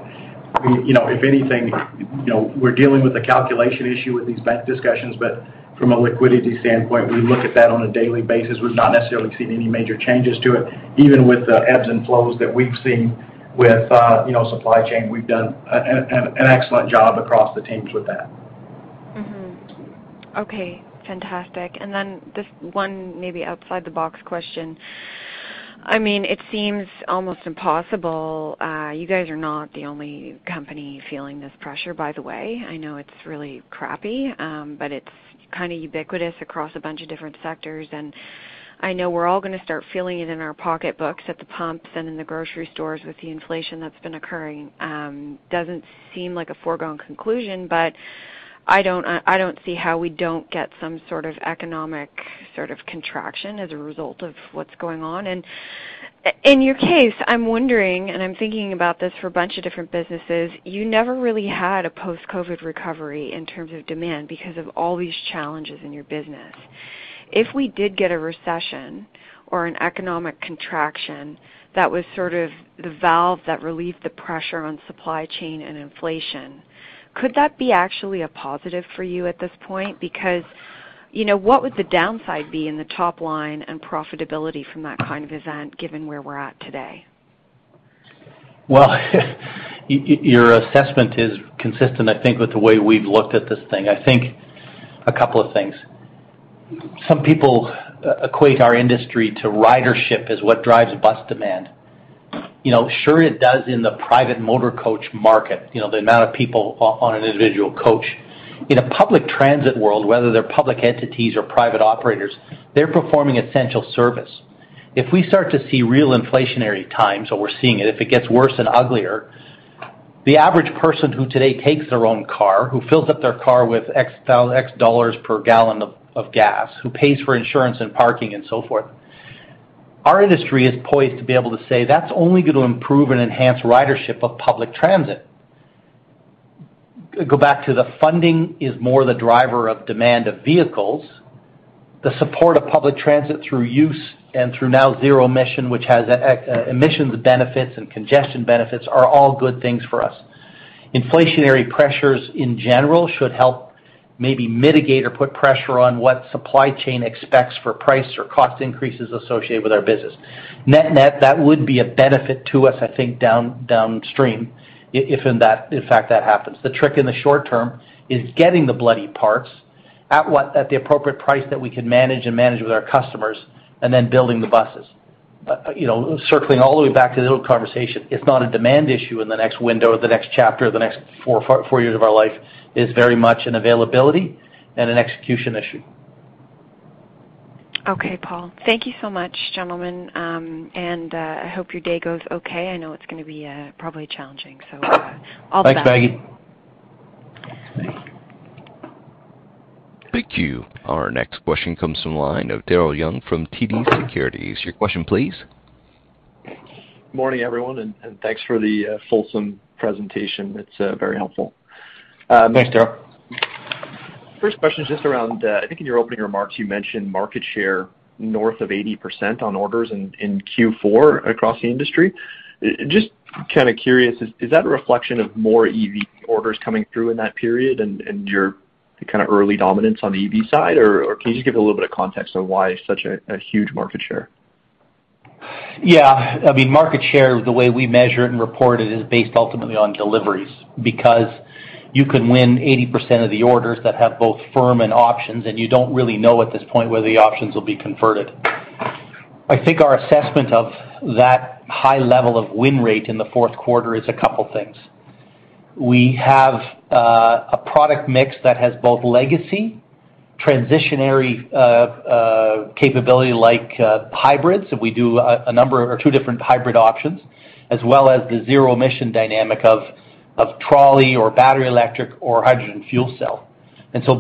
We, you know, if anything, you know, we're dealing with a calculation issue with these bank discussions, but from a liquidity standpoint, we look at that on a daily basis. We've not necessarily seen any major changes to it, even with the ebbs and flows that we've seen with, you know, supply chain. We've done an excellent job across the teams with that. Mm-hmm. Okay, fantastic. Then just one maybe outside the box question. I mean, it seems almost impossible, you guys are not the only company feeling this pressure, by the way. I know it's really crappy, but it's kind of ubiquitous across a bunch of different sectors. I know we're all gonna start feeling it in our pocketbooks, at the pumps and in the grocery stores with the inflation that's been occurring. Doesn't seem like a foregone conclusion, but I don't see how we don't get some sort of economic contraction as a result of what's going on. In your case, I'm wondering, and I'm thinking about this for a bunch of different businesses, you never really had a post-COVID recovery in terms of demand because of all these challenges in your business. If we did get a recession or an economic contraction that was sort of the valve that relieved the pressure on supply chain and inflation, could that be actually a positive for you at this point? Because, you know, what would the downside be in the top line and profitability from that kind of event, given where we're at today? Your assessment is consistent, I think, with the way we've looked at this thing. I think a couple of things. Some people equate our industry to ridership as what drives bus demand. You know, sure it does in the private motor coach market, you know, the amount of people on an individual coach. In a public transit world, whether they're public entities or private operators, they're performing essential service. If we start to see real inflationary times, or we're seeing it, if it gets worse and uglier, the average person who today takes their own car, who fills up their car with $10 per gallon of gas, who pays for insurance and parking and so forth, our industry is poised to be able to say, that's only going to improve and enhance ridership of public transit. Go back to the funding is more the driver of demand of vehicles. The support of public transit through use and through now zero-emission, which has emissions benefits and congestion benefits, are all good things for us. Inflationary pressures in general should help maybe mitigate or put pressure on what supply chain expects for price or cost increases associated with our business. Net-net, that would be a benefit to us, I think, downstream if in fact that happens. The trick in the short term is getting the bloody parts at the appropriate price that we can manage with our customers, and then building the buses. You know, circling all the way back to the old conversation, it's not a demand issue in the next window or the next chapter or the next four years of our life, it's very much an availability and an execution issue. Okay, Paul. Thank you so much, gentlemen. I hope your day goes okay. I know it's gonna be probably challenging. All the best. Thanks, Maggie. Thank you. Our next question comes from the line of Daryl Young from TD Securities. Your question, please. Morning, everyone, and thanks for the fulsome presentation. It's very helpful. Thanks, Daryl. First question is just around, I think in your opening remarks, you mentioned market share north of 80% on orders in Q4 across the industry. Just kinda curious, is that a reflection of more EV orders coming through in that period and your kinda early dominance on the EV side? Or can you just give a little bit of context on why such a huge market share? Yeah. I mean, market share, the way we measure it and report it, is based ultimately on deliveries. Because you can win 80% of the orders that have both firm and options, and you don't really know at this point whether the options will be converted. I think our assessment of that high level of win rate in the fourth quarter is a couple things. We have a product mix that has both legacy, transitionary capability like hybrids, and we do a number or two different hybrid options, as well as the zero emission dynamic of trolley or battery electric or hydrogen fuel cell.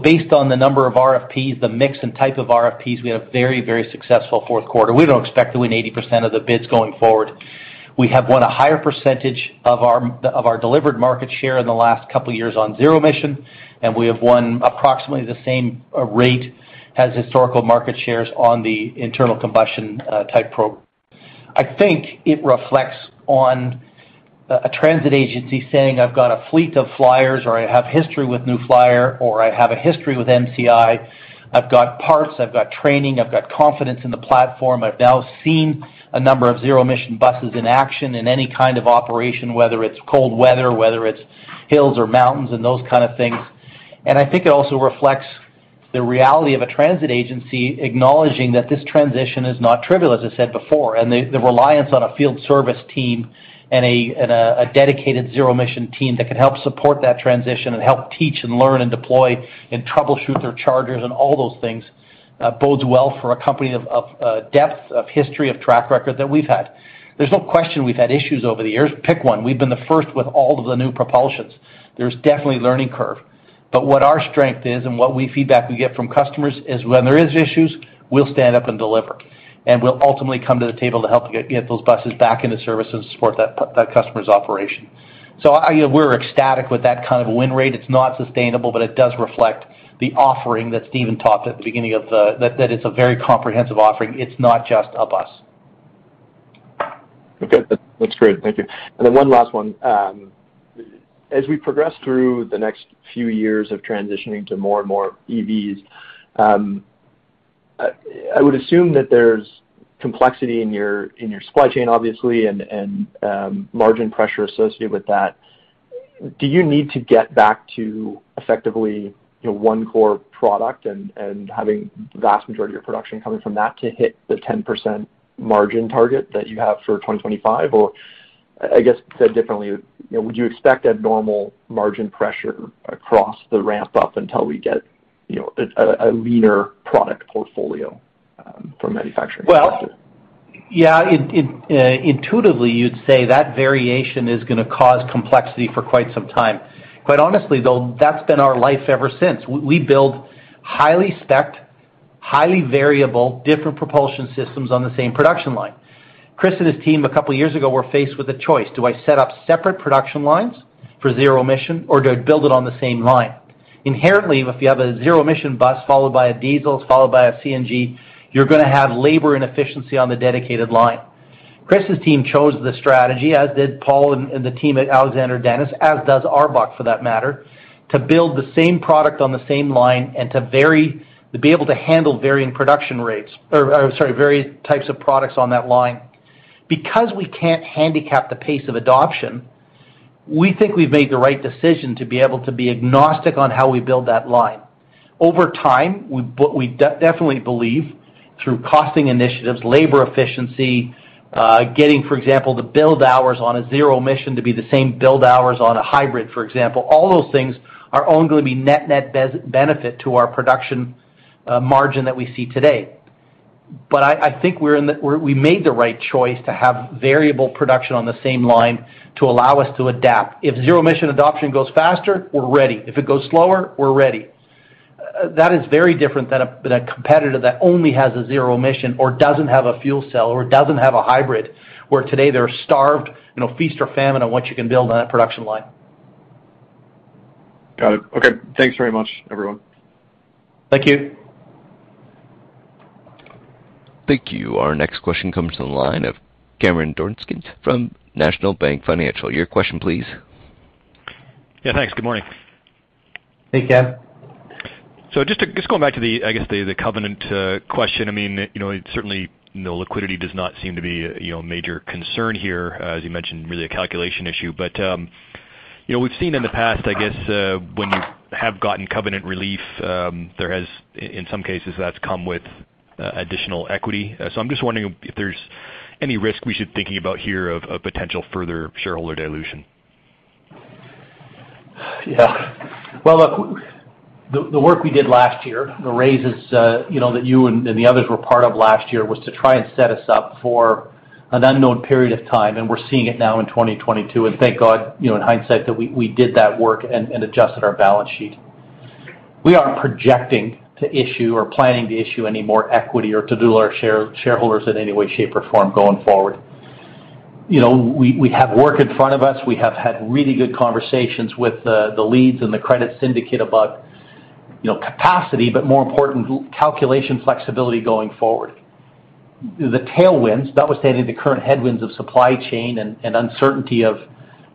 Based on the number of RFPs, the mix and type of RFPs, we had a very, very successful fourth quarter. We don't expect to win 80% of the bids going forward. We have won a higher percentage of our delivered market share in the last couple of years on zero emission, and we have won approximately the same rate as historical market shares on the internal combustion type. I think it reflects a transit agency saying, I've got a fleet of Flyers, or I have history with New Flyer, or I have a history with MCI. I've got parts, I've got training, I've got confidence in the platform. I've now seen a number of zero emission buses in action in any kind of operation, whether it's cold weather, whether it's hills or mountains and those kind of things. I think it also reflects the reality of a transit agency acknowledging that this transition is not trivial, as I said before. The reliance on a field service team and a dedicated zero emission team that can help support that transition and help teach and learn and deploy and troubleshoot their chargers and all those things bodes well for a company of depth, of history, of track record that we've had. There's no question we've had issues over the years. Pick one. We've been the first with all of the new propulsions. There's definitely learning curve. But what our strength is and what feedback we get from customers is when there is issues, we'll stand up and deliver, and we'll ultimately come to the table to help get those buses back into service and support that customer's operation. We're ecstatic with that kind of a win rate. It's not sustainable, but it does reflect the offering that Stephen talked about at the beginning, that it's a very comprehensive offering. It's not just a bus. Okay. That's great. Thank you. Then one last one. As we progress through the next few years of transitioning to more and more EVs, I would assume that there's complexity in your supply chain, obviously, and margin pressure associated with that. Do you need to get back to effectively, you know, one core product and having the vast majority of production coming from that to hit the 10% margin target that you have for 2025? Or I guess said differently, you know, would you expect normal margin pressure across the ramp up until we get, you know, a leaner product portfolio from a manufacturing perspective? Well, yeah, intuitively, you'd say that variation is gonna cause complexity for quite some time. Quite honestly, though, that's been our life ever since. We build highly specced, highly variable, different propulsion systems on the same production line. Chris and his team a couple years ago were faced with a choice. Do I set up separate production lines for zero emission or do I build it on the same line? Inherently, if you have a zero emission bus followed by a diesel followed by a CNG, you're gonna have labor inefficiency on the dedicated line. Chris's team chose the strategy, as did Paul and the team at Alexander Dennis, as does ARBOC, for that matter, to build the same product on the same line and to be able to handle varying production rates or varied types of products on that line. Because we can't handicap the pace of adoption, we think we've made the right decision to be able to be agnostic on how we build that line. Over time, but we definitely believe through costing initiatives, labor efficiency, getting, for example, the build hours on a zero-emission to be the same build hours on a hybrid, for example. All those things are only going to be net-net benefit to our production margin that we see today. But I think we made the right choice to have variable production on the same line to allow us to adapt. If zero-emission adoption goes faster, we're ready. If it goes slower, we're ready. That is very different than a competitor that only has a zero emission or doesn't have a fuel cell or doesn't have a hybrid, where today they're starved, you know, feast or famine on what you can build on that production line. Got it. Okay. Thanks very much, everyone. Thank you. Thank you. Our next question comes to the line of Cameron Doerksen from National Bank Financial. Your question please. Yeah, thanks. Good morning. Hey, Cam. Just going back to the, I guess, the covenant question. I mean, you know, certainly, you know, liquidity does not seem to be, you know, a major concern here, as you mentioned, really a calculation issue. You know, we've seen in the past, I guess, when you have gotten covenant relief, in some cases, that's come with additional equity. I'm just wondering if there's any risk we should be thinking about here of a potential further shareholder dilution. Yeah. Well, look, the work we did last year, the raises, you know, that you and the others were part of last year was to try and set us up for an unknown period of time, and we're seeing it now in 2022. Thank God, you know, in hindsight, that we did that work and adjusted our balance sheet. We aren't projecting to issue or planning to issue any more equity or to do our shareholders in any way, shape, or form going forward. You know, we have work in front of us. We have had really good conversations with the leads and the credit syndicate about, you know, capacity, but more important, calculation flexibility going forward. The tailwinds, notwithstanding the current headwinds of supply chain and uncertainty of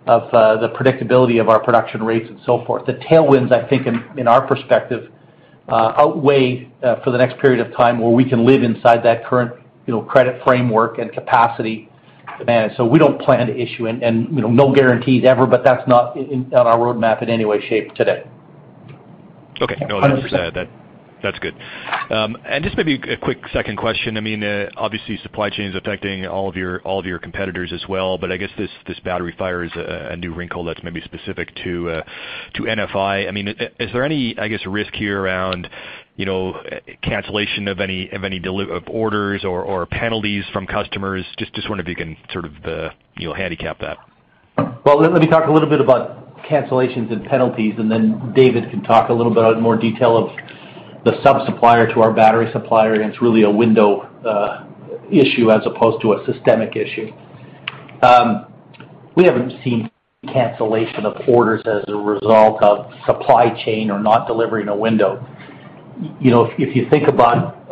the predictability of our production rates and so forth. The tailwinds, I think in our perspective, outweigh for the next period of time where we can live inside that current, you know, credit framework and capacity demand. We don't plan to issue and you know, no guarantees ever, but that's not on our roadmap in any way, shape today. Okay. No, that's. 100%. That's good. Just maybe a quick second question. I mean, obviously, supply chain is affecting all of your competitors as well. I guess this battery fire is a new wrinkle that's maybe specific to NFI. I mean, is there any, I guess, risk here around you know, cancellation of any orders or penalties from customers? Just wondering if you can sort of you know, handicap that. Well, let me talk a little bit about cancellations and penalties, and then David can talk a little bit on more detail of the sub-supplier to our battery supplier, and it's really a window issue as opposed to a systemic issue. We haven't seen cancellation of orders as a result of supply chain or not delivering a window. You know, if you think about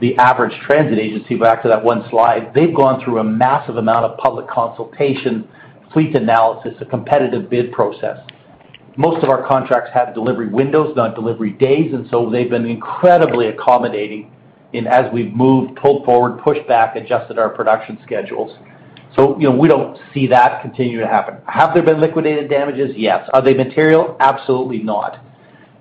the average transit agency, back to that one slide, they've gone through a massive amount of public consultation, fleet analysis, a competitive bid process. Most of our contracts have delivery windows, not delivery days, and so they've been incredibly accommodating in as we've moved, pulled forward, pushed back, adjusted our production schedules. You know, we don't see that continuing to happen. Have there been liquidated damages? Yes. Are they material? Absolutely not.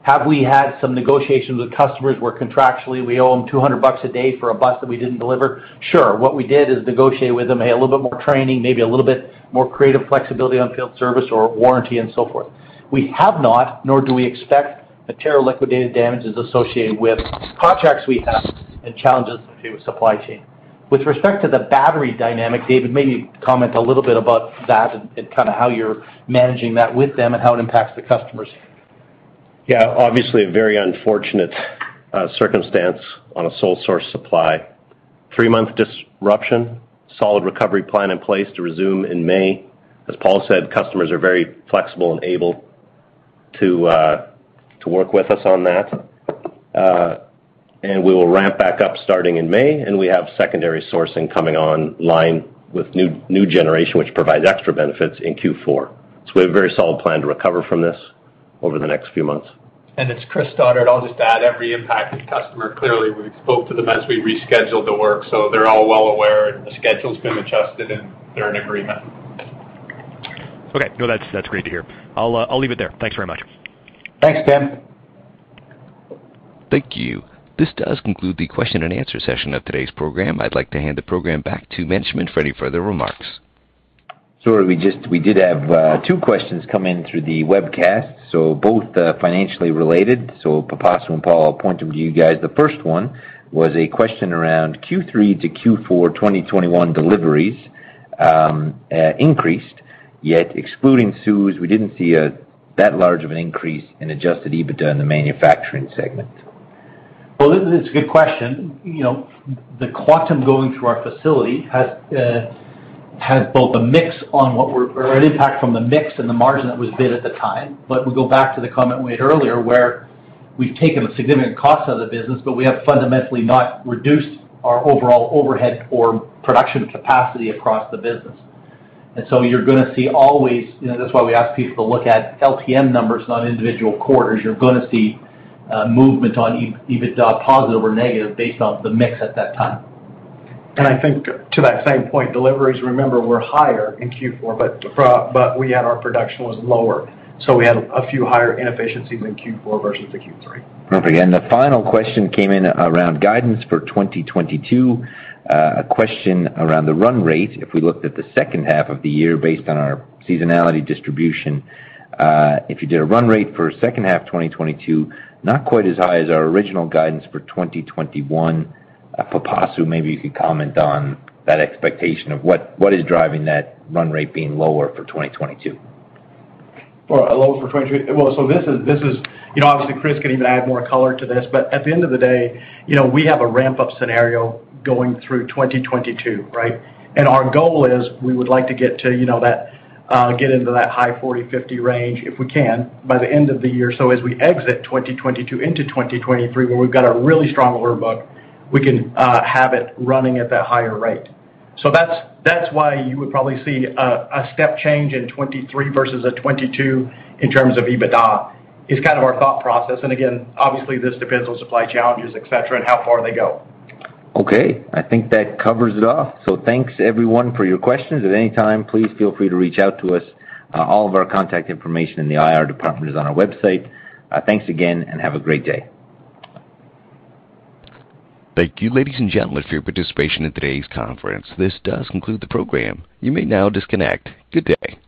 Have we had some negotiations with customers where contractually we owe them $200 a day for a bus that we didn't deliver? Sure. What we did is negotiate with them a little bit more training, maybe a little bit more creative flexibility on field service or warranty and so forth. We have not, nor do we expect material liquidated damages associated with contracts we have and challenges to supply chain. With respect to the battery dynamic, David, maybe comment a little bit about that and kind of how you're managing that with them and how it impacts the customers. Obviously a very unfortunate circumstance on a sole source supply. three-month disruption, solid recovery plan in place to resume in May. As Paul said, customers are very flexible and able to work with us on that. We will ramp back up starting in May, and we have secondary sourcing coming online with new generation, which provides extra benefits in Q4. We have a very solid plan to recover from this over the next few months. It's Chris Stoddart. I'll just add every impacted customer. Clearly, we've spoken to them as we rescheduled the work, so they're all well aware, and the schedule's been adjusted, and they're in agreement. Okay. No, that's great to hear. I'll leave it there. Thanks very much. Thanks, Cam. Thank you. This does conclude the question and answer session of today's program. I'd like to hand the program back to Management for any further remarks. We did have two questions come in through the webcast. Both are financially related. Pipasu and Paul, I'll point them to you guys. The first one was a question around Q3 to Q4 2021 deliveries increased, yet excluding CEWS, we didn't see that large of an increase in adjusted EBITDA in the manufacturing segment. Well, this is a good question. You know, the quantum going through our facility has both a mix and an impact from the mix and the margin that was bid at the time. We go back to the comment we had earlier, where we've taken a significant cost out of the business, but we have fundamentally not reduced our overall overhead or production capacity across the business. You're gonna see always, you know, that's why we ask people to look at LTM numbers, not individual quarters. You're gonna see movement on EBITDA, positive or negative, based on the mix at that time. I think to that same point, deliveries, remember, were higher in Q4, but we had our production was lower. We had a few higher inefficiencies in Q4 versus the Q3. Perfect. The final question came in around guidance for 2022. A question around the run rate. If we looked at the second half of the year based on our seasonality distribution, if you did a run rate for second half 2022, not quite as high as our original guidance for 2021. Pipasu, maybe you could comment on that expectation of what is driving that run rate being lower for 2022. You know, obviously, Chris can even add more color to this. At the end of the day, you know, we have a ramp-up scenario going through 2022, right? Our goal is we would like to get to, you know, that, get into that high 40, 50 range, if we can, by the end of the year. As we exit 2022 into 2023, where we've got a really strong order book, we can have it running at that higher rate. That's why you would probably see a step change in 2023 versus 2022 in terms of EBITDA, is kind of our thought process. Again, obviously, this depends on supply challenges, et cetera, and how far they go. Okay. I think that covers it off. Thanks everyone for your questions. At any time, please feel free to reach out to us. All of our contact information in the IR department is on our website. Thanks again, and have a great day. Thank you, ladies and gentlemen, for your participation in today's conference. This does conclude the program. You may now disconnect. Good day.